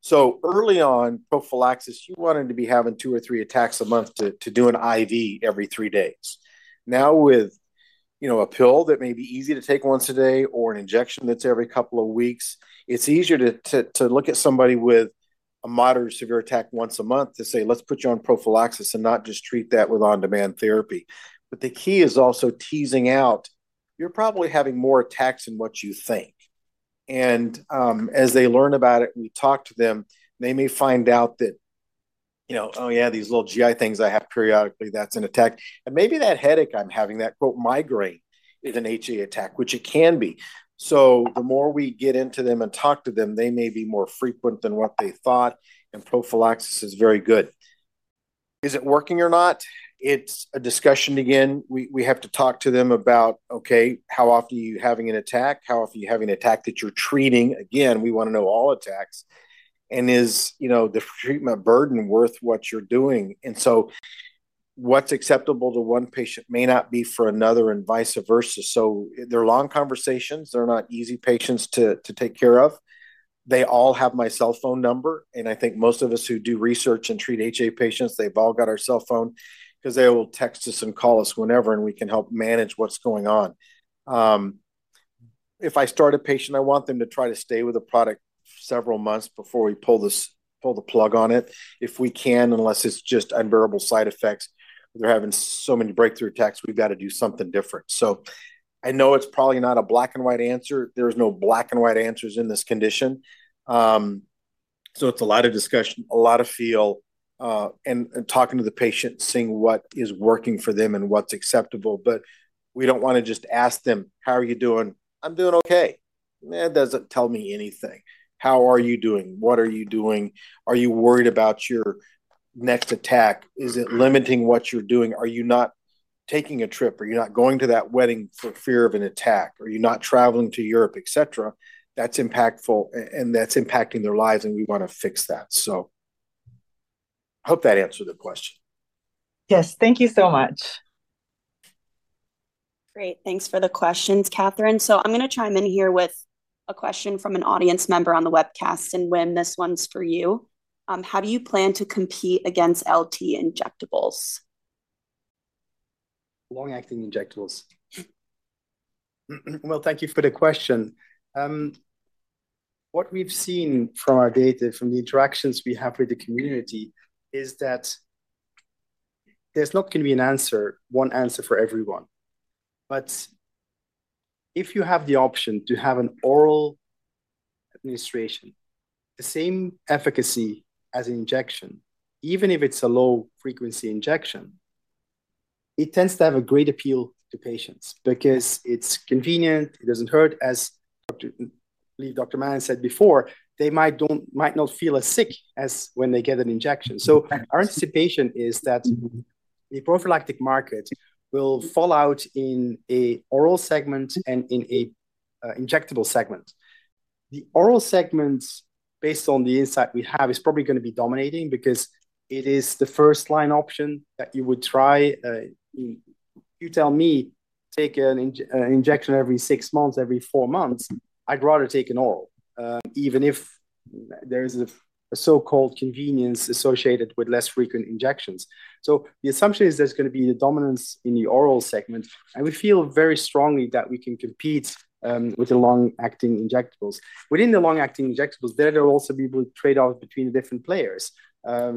So early on prophylaxis, you want them to be having two or three attacks a month to do an IV every three days. Now with, you know, a pill that may be easy to take once a day or an injection that's every couple of weeks, it's easier to look at somebody with a moderate severe attack once a month to say, "Let's put you on prophylaxis, and not just treat that with on-demand therapy." But the key is also teasing out, you're probably having more attacks than what you think. And as they learn about it, and we talk to them, they may find out that, you know, "Oh, yeah, these little GI things I have periodically, that's an attack. And maybe that headache I'm having, that, quote, migraine is an HA attack," which it can be. So the more we get into them and talk to them, they may be more frequent than what they thought, and prophylaxis is very good. Is it working or not? It's a discussion again. We have to talk to them about, "Okay, how often are you having an attack? How often are you having an attack that you're treating?" Again, we wanna know all attacks, and is, you know, the treatment burden worth what you're doing? And so what's acceptable to one patient may not be for another, and vice versa. So they're long conversations. They're not easy patients to take care of. They all have my cell phone number, and I think most of us who do research and treat HA patients, they've all got our cell phone 'cause they will text us and call us whenever, and we can help manage what's going on. If I start a patient, I want them to try to stay with the product several months before we pull the plug on it. If we can, unless it's just unbearable side effects, they're having so many breakthrough attacks, we've gotta do something different. So I know it's probably not a black and white answer. There's no black and white answers in this condition. So it's a lot of discussion, a lot of feel, and talking to the patient, seeing what is working for them and what's acceptable. But we don't wanna just ask them, "How are you doing?" "I'm doing okay." That doesn't tell me anything. "How are you doing? What are you doing? Are you worried about your next attack? Is it limiting what you're doing? Are you not taking a trip? Are you not going to that wedding for fear of an attack? Are you not traveling to Europe, et cetera?" That's impactful, and that's impacting their lives, and we wanna fix that. Hope that answered the question. Yes, thank you so much. Great. Thanks for the questions, Catherine. So I'm gonna chime in here with a question from an audience member on the webcast, and Wim, this one's for you. How do you plan to compete against LT injectables? Long-acting injectables. Thank you for the question. What we've seen from our data, from the interactions we have with the community, is that there's not gonna be an answer, one answer for everyone. But if you have the option to have an oral administration, the same efficacy as an injection, even if it's a low-frequency injection, it tends to have a great appeal to patients because it's convenient, it doesn't hurt, as Dr. Manning said before, they might not feel as sick as when they get an injection. Our anticipation is that the prophylactic market will fall out in an oral segment and in an injectable segment. The oral segment, based on the insight we have, is probably gonna be dominating because it is the first-line option that you would try. You tell me, "Take an injection every six months, every four months." I'd rather take an oral, even if there is a so-called convenience associated with less frequent injections. So the assumption is there's gonna be a dominance in the oral segment, and we feel very strongly that we can compete with the long-acting injectables. Within the long-acting injectables, there will also be a trade-off between the different players.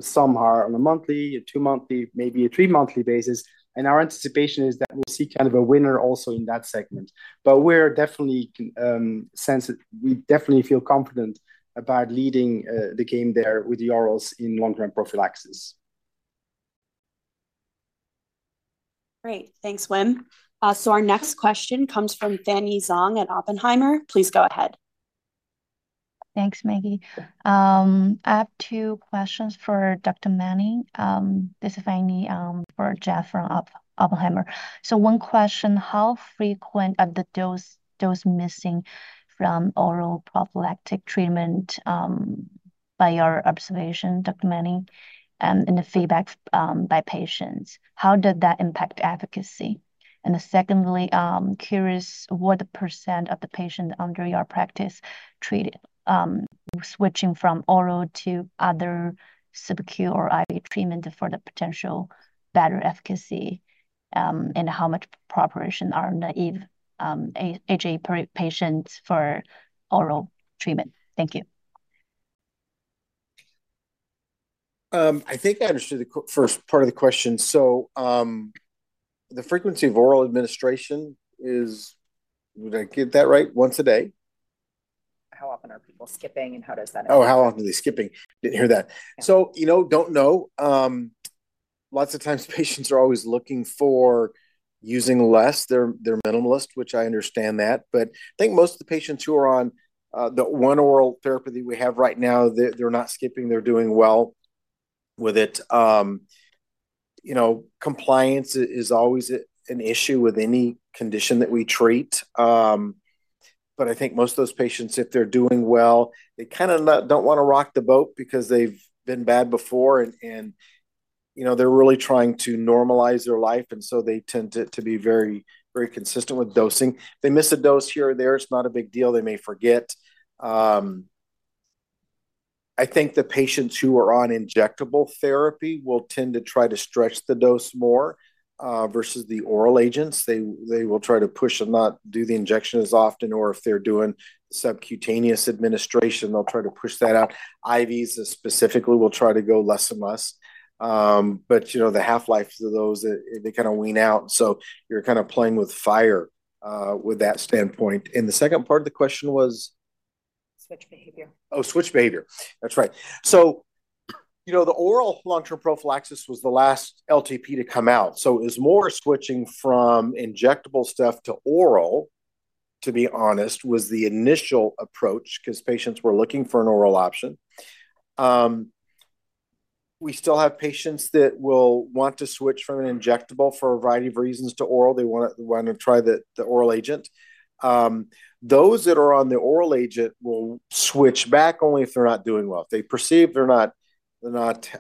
Some are on a monthly, a two-monthly, maybe a three-monthly basis, and our anticipation is that we'll see kind of a winner also in that segment. But we're definitely confident. We definitely feel confident about leading the game there with the orals in long-term prophylaxis. Great. Thanks, Wim. So our next question comes from Fanyi Zhong at Oppenheimer. Please go ahead. Thanks, Maggie. I have two questions for Dr. Manning. This is Fanyi, for Jeff from Oppenheimer. So one question: How frequent are the dose missing from oral prophylactic treatment, by your observation, Dr. Manning, and the feedback by patients? How did that impact efficacy? And secondly, curious what % of the patient under your practice treated, switching from oral to other subcut or IV treatment for the potential better efficacy, and how much preparation are naive, HAE patients for oral treatment? Thank you. I think I understood the first part of the question, so the frequency of oral administration is, did I get that right, once a day? How often are people skipping, and how does that affect- Oh, how often are they skipping? Didn't hear that. Yeah. So, you know, don't know. Lots of times patients are always looking for using less. They're minimalist, which I understand that, but I think most of the patients who are on the one oral therapy that we have right now, they're not skipping. They're doing well with it. You know, compliance is always an issue with any condition that we treat. But I think most of those patients, if they're doing well, they kinda don't wanna rock the boat because they've been bad before, and you know, they're really trying to normalize their life, and so they tend to be very, very consistent with dosing. If they miss a dose here or there, it's not a big deal. They may forget... I think the patients who are on injectable therapy will tend to try to stretch the dose more versus the oral agents. They will try to push and not do the injection as often, or if they're doing subcutaneous administration, they'll try to push that out. IVs specifically will try to go less and less. But you know, the half-life of those, they kind of wean out, so you're kind of playing with fire with that standpoint. And the second part of the question was? Switch behavior. Oh, switch behavior. That's right. So, you know, the oral long-term prophylaxis was the last LTP to come out, so it was more switching from injectable stuff to oral, to be honest, was the initial approach, because patients were looking for an oral option. We still have patients that will want to switch from an injectable for a variety of reasons to oral. They wanna try the oral agent. Those that are on the oral agent will switch back only if they're not doing well. If they perceive they're not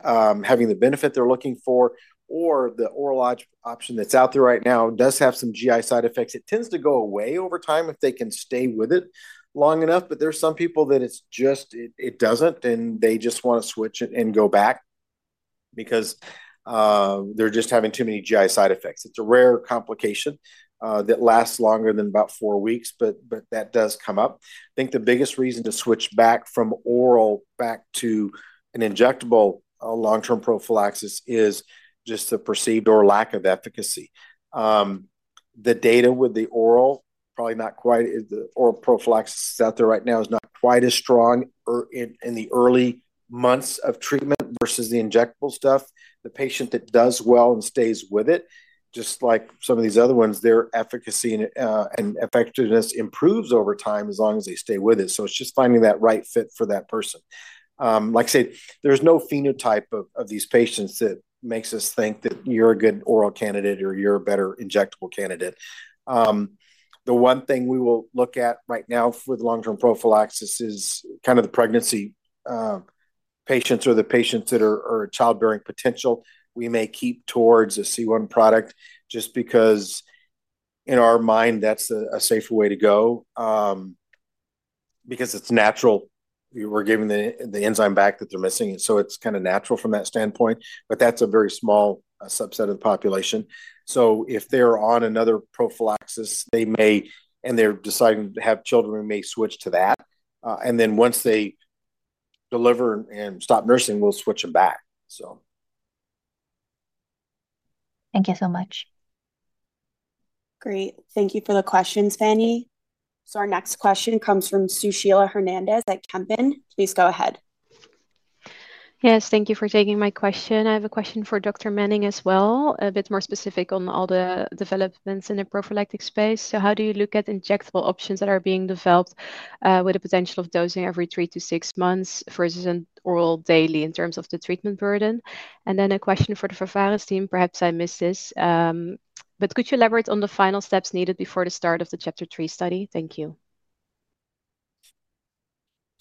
having the benefit they're looking for, or the oral option that's out there right now does have some GI side effects. It tends to go away over time if they can stay with it long enough, but there are some people that it's just... It doesn't, and they just wanna switch and go back because they're just having too many GI side effects. It's a rare complication that lasts longer than about four weeks, but that does come up. I think the biggest reason to switch back from oral back to an injectable long-term prophylaxis is just the perceived or lack of efficacy. The data with the oral probably not quite, the oral prophylaxis out there right now is not quite as strong early in the early months of treatment versus the injectable stuff. The patient that does well and stays with it, just like some of these other ones, their efficacy and effectiveness improves over time as long as they stay with it. So it's just finding that right fit for that person. Like I said, there's no phenotype of these patients that makes us think that you're a good oral candidate or you're a better injectable candidate. The one thing we will look at right now with long-term prophylaxis is kind of the pregnancy patients or the patients that are childbearing potential. We may keep towards a C1 product just because, in our mind, that's a safer way to go, because it's natural. We're giving the enzyme back that they're missing, so it's kinda natural from that standpoint, but that's a very small subset of the population. So if they're on another prophylaxis, they may... and they're deciding to have children, we may switch to that. And then once they deliver and stop nursing, we'll switch them back. So... Thank you so much. Great. Thank you for the questions, Fanyi. So our next question comes from Sushila Hernandez at Kempen. Please go ahead. Yes, thank you for taking my question. I have a question for Dr. Manning as well, a bit more specific on all the developments in the prophylactic space. So how do you look at injectable options that are being developed, with the potential of dosing every three to six months versus an oral daily in terms of the treatment burden? And then a question for the Pharvaris team, perhaps I missed this, but could you elaborate on the final steps needed before the start of the CHAPTER-3 study? Thank you.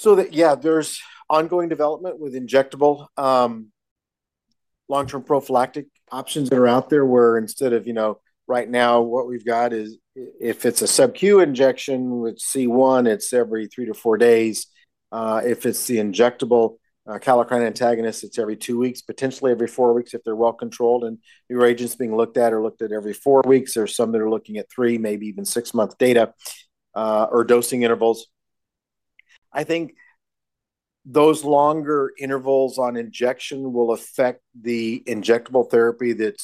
So, yeah, there's ongoing development with injectable, long-term prophylactic options that are out there, where instead of, you know, right now, what we've got is if it's a subq injection with C1, it's every three to four days. If it's the injectable, kallikrein antagonist, it's every two weeks, potentially every four weeks, if they're well controlled. Newer agents being looked at are looked at every four weeks. There are some that are looking at three, maybe even six-month data, or dosing intervals. I think those longer intervals on injection will affect the injectable therapy that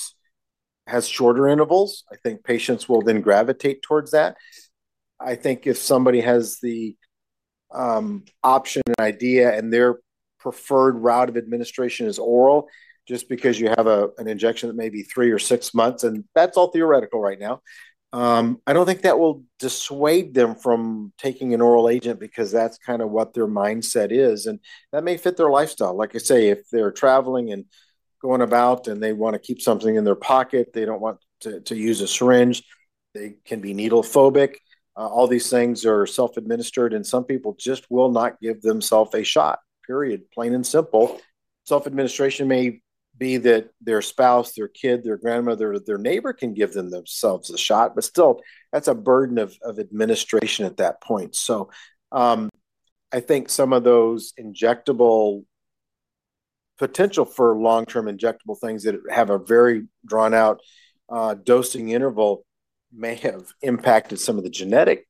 has shorter intervals. I think patients will then gravitate towards that. I think if somebody has the option and idea and their preferred route of administration is oral, just because you have an injection that may be three or six months, and that's all theoretical right now, I don't think that will dissuade them from taking an oral agent, because that's kind of what their mindset is, and that may fit their lifestyle. Like I say, if they're traveling and going about and they wanna keep something in their pocket, they don't want to use a syringe, they can be needle phobic. All these things are self-administered, and some people just will not give themselves a shot, period, plain and simple. Self-administration may be that their spouse, their kid, their grandmother, their neighbor can give them themselves a shot, but still, that's a burden of administration at that point. I think some of those injectable potential for long-term injectable things that have a very drawn-out dosing interval may have impacted some of the genetic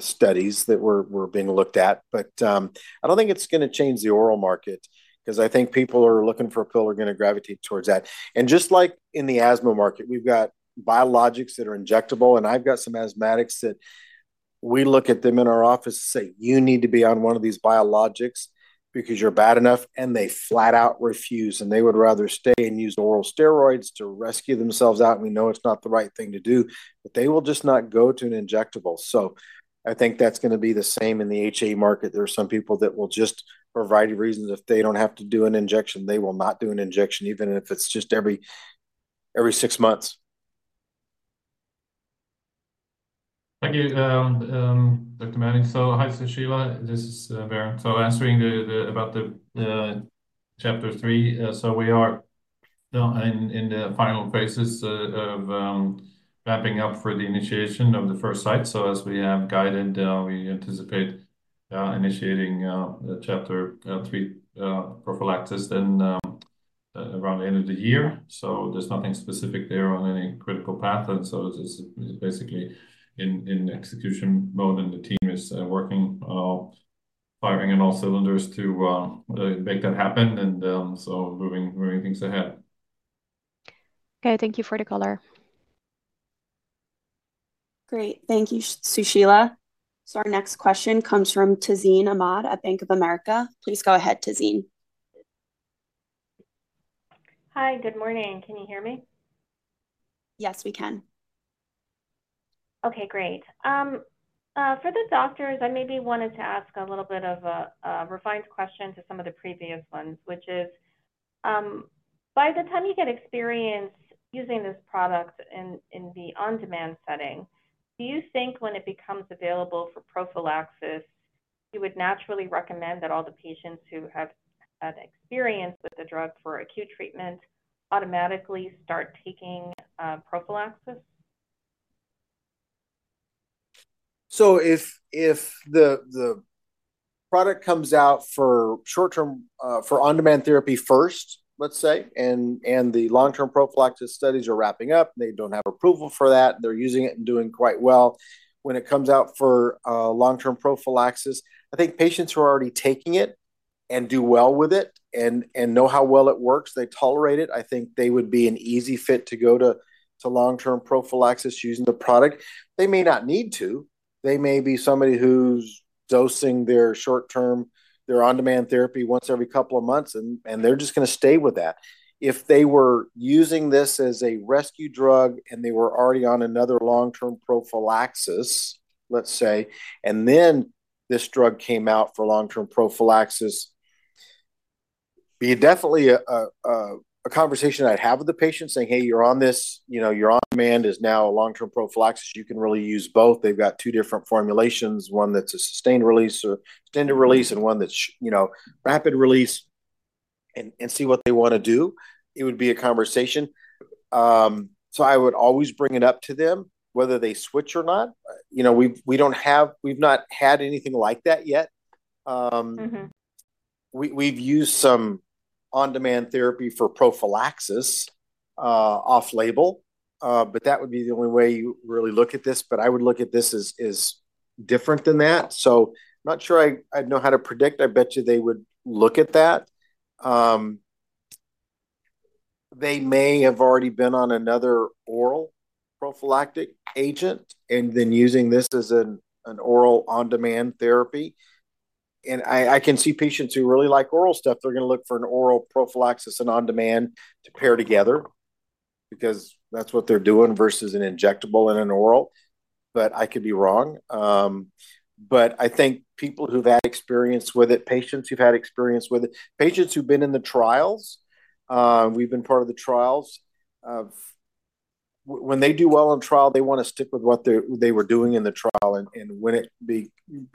studies that were being looked at. I don't think it's gonna change the oral market, because I think people who are looking for a pill are gonna gravitate towards that. Just like in the asthma market, we've got biologics that are injectable, and I've got some asthmatics that we look at them in our office and say, "You need to be on one of these biologics because you're bad enough," and they flat out refuse, and they would rather stay and use oral steroids to rescue themselves out. We know it's not the right thing to do, but they will just not go to an injectable. I think that's gonna be the same in the HAE market. There are some people that will just, for a variety of reasons, if they don't have to do an injection, they will not do an injection, even if it's just every six months. Thank you, Dr. Manning. Hi, Sushila, this is Berndt. Answering about Chapter 3. We are in the final phases of wrapping up for the initiation of the first site. As we have guided, we anticipate initiating the Chapter 3 prophylaxis then around the end of the year. There's nothing specific there on any critical path. This is basically in execution mode, and the team is working firing on all cylinders to make that happen, and so moving things ahead. Okay, thank you for the color. Great. Thank you, Sushila. So our next question comes from Tazeen Ahmad at Bank of America. Please go ahead, Tazeen. Hi, good morning. Can you hear me? Yes, we can. Okay, great. For the doctors, I maybe wanted to ask a little bit of a refined question to some of the previous ones, which is, by the time you get experience using this product in the on-demand setting, do you think when it becomes available for prophylaxis, you would naturally recommend that all the patients who have had experience with the drug for acute treatment automatically start taking prophylaxis? So if the product comes out for short-term, for on-demand therapy first, let's say, and the long-term prophylaxis studies are wrapping up, they don't have approval for that, they're using it and doing quite well. When it comes out for long-term prophylaxis, I think patients who are already taking it and do well with it and know how well it works, they tolerate it, I think they would be an easy fit to go to long-term prophylaxis using the product. They may not need to. They may be somebody who's dosing their short-term, their on-demand therapy once every couple of months, and they're just gonna stay with that. If they were using this as a rescue drug, and they were already on another long-term prophylaxis, let's say, and then this drug came out for long-term prophylaxis, it'd be definitely a conversation I'd have with the patient saying, "Hey, you're on this. You know, your on-demand is now a long-term prophylaxis. You can really use both. They've got two different formulations, one that's a sustained release or extended release, and one that's, you know, rapid release," and see what they wanna do. It would be a conversation. So I would always bring it up to them, whether they switch or not. You know, we don't have... We've not had anything like that yet. Mm-hmm. We've used some on-demand therapy for prophylaxis, off-label, but that would be the only way you really look at this, but I would look at this as, as different than that. So not sure I'd know how to predict. I bet you they would look at that. They may have already been on another oral prophylactic agent, and then using this as an oral on-demand therapy. And I can see patients who really like oral stuff, they're gonna look for an oral prophylaxis and on-demand to pair together because that's what they're doing, versus an injectable and an oral, but I could be wrong. But I think people who've had experience with it, patients who've had experience with it, patients who've been in the trials, we've been part of the trials, of... When they do well in trial, they wanna stick with what they were doing in the trial, and when it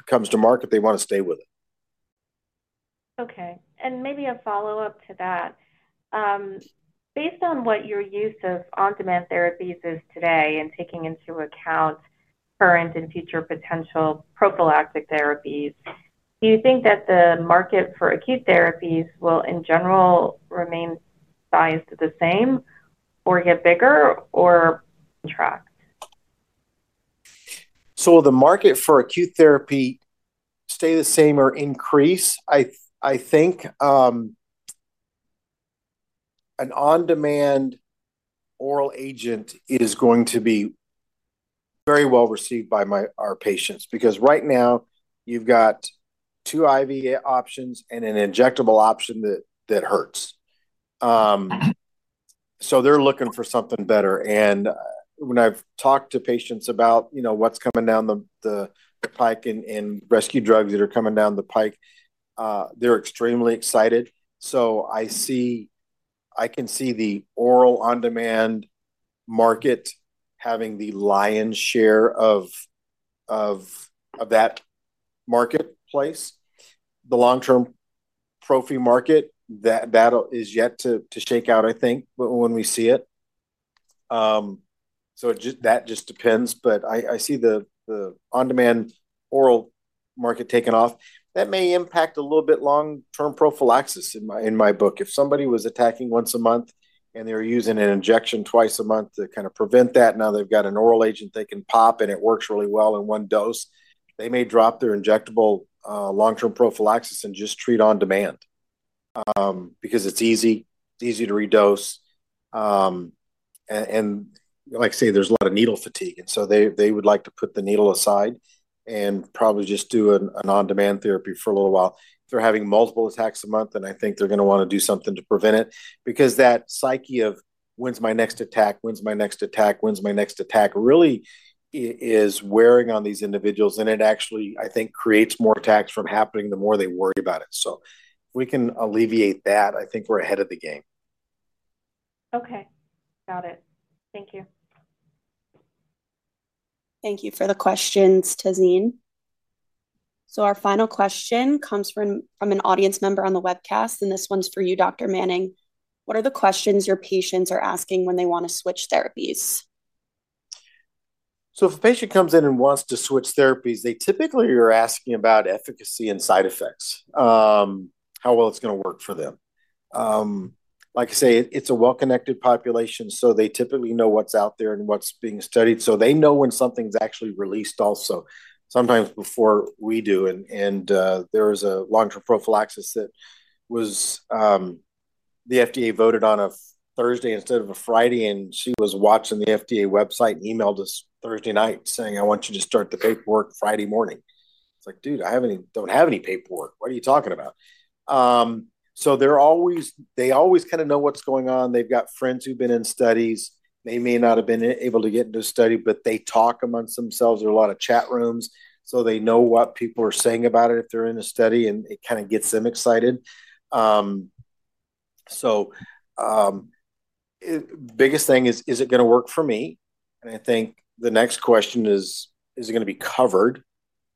comes to market, they wanna stay with it. Okay, and maybe a follow-up to that. Based on what your use of on-demand therapies is today and taking into account current and future potential prophylactic therapies, do you think that the market for acute therapies will, in general, remain sized the same, or get bigger, or contract? So will the market for acute therapy stay the same or increase? I think an on-demand oral agent is going to be very well received by our patients because right now, you've got two IV options and an injectable option that hurts. So they're looking for something better, and when I've talked to patients about, you know, what's coming down the pike and rescue drugs that are coming down the pike, they're extremely excited. I can see the oral on-demand market having the lion's share of that marketplace. The long-term prophy market, that'll is yet to shake out, I think, when we see it. So that just depends, but I see the on-demand oral market taking off. That may impact a little bit long-term prophylaxis in my book. If somebody was attacking once a month, and they were using an injection twice a month to kinda prevent that, now they've got an oral agent they can pop, and it works really well in one dose, they may drop their injectable long-term prophylaxis and just treat on-demand, because it's easy, it's easy to redose, and like I say, there's a lot of needle fatigue, and so they would like to put the needle aside and probably just do an on-demand therapy for a little while. If they're having multiple attacks a month, then I think they're gonna wanna do something to prevent it. Because that psyche of, "When's my next attack? When's my next attack? When's my next attack?" really is wearing on these individuals, and it actually, I think, creates more attacks from happening the more they worry about it, so if we can alleviate that, I think we're ahead of the game. Okay. Got it. Thank you. Thank you for the questions, Tazeen. So our final question comes from an audience member on the webcast, and this one's for you, Dr. Manning. What are the questions your patients are asking when they want to switch therapies? So if a patient comes in and wants to switch therapies, they typically are asking about efficacy and side effects, how well it's gonna work for them. Like I say, it's a well-connected population, so they typically know what's out there and what's being studied, so they know when something's actually released also, sometimes before we do. And there was a long-term prophylaxis that was the FDA voted on a Thursday instead of a Friday, and she was watching the FDA website and emailed us Thursday night saying, "I want you to start the paperwork Friday morning." It's like, "Dude, I haven't don't have any paperwork. What are you talking about?" So they always kinda know what's going on. They've got friends who've been in studies. They may not have been able to get into a study, but they talk amongst themselves. There are a lot of chat rooms, so they know what people are saying about it if they're in a study, and it kinda gets them excited. So, biggest thing is: Is it gonna work for me? And I think the next question is: Is it gonna be covered?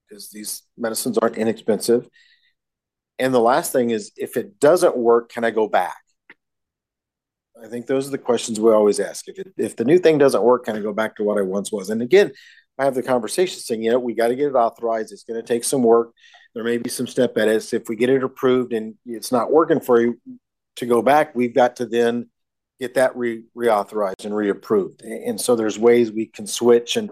Because these medicines aren't inexpensive. And the last thing is: If it doesn't work, can I go back? I think those are the questions we always ask. If the new thing doesn't work, can I go back to what I once was? And again, I have the conversation saying, "You know, we got to get it authorized. It's gonna take some work. There may be some step edits. If we get it approved, and it's not working for you, to go back, we've got to then get that re-authorized and reapproved. And so there's ways we can switch, and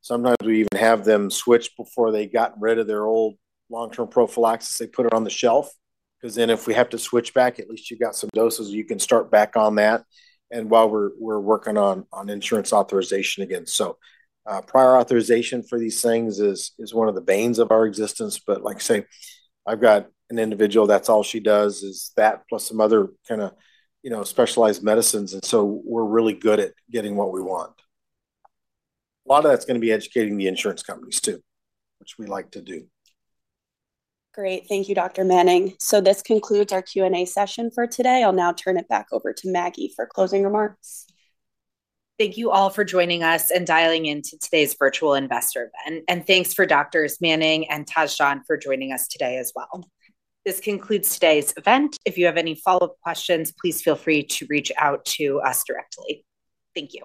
sometimes we even have them switch before they've gotten rid of their old long-term prophylaxis. They put it on the shelf, 'cause then if we have to switch back, at least you've got some doses, you can start back on that, and while we're working on insurance authorization again. So, prior authorization for these things is one of the banes of our existence, but like I say, I've got an individual, that's all she does is that plus some other kinda, you know, specialized medicines, and so we're really good at getting what we want. A lot of that's gonna be educating the insurance companies, too, which we like to do. Great. Thank you, Dr. Manning. So this concludes our Q&A session for today. I'll now turn it back over to Maggie for closing remarks. Thank you all for joining us and dialing in to today's virtual investor event. And thanks for Doctors Manning and Tachdjian for joining us today as well. This concludes today's event. If you have any follow-up questions, please feel free to reach out to us directly. Thank you.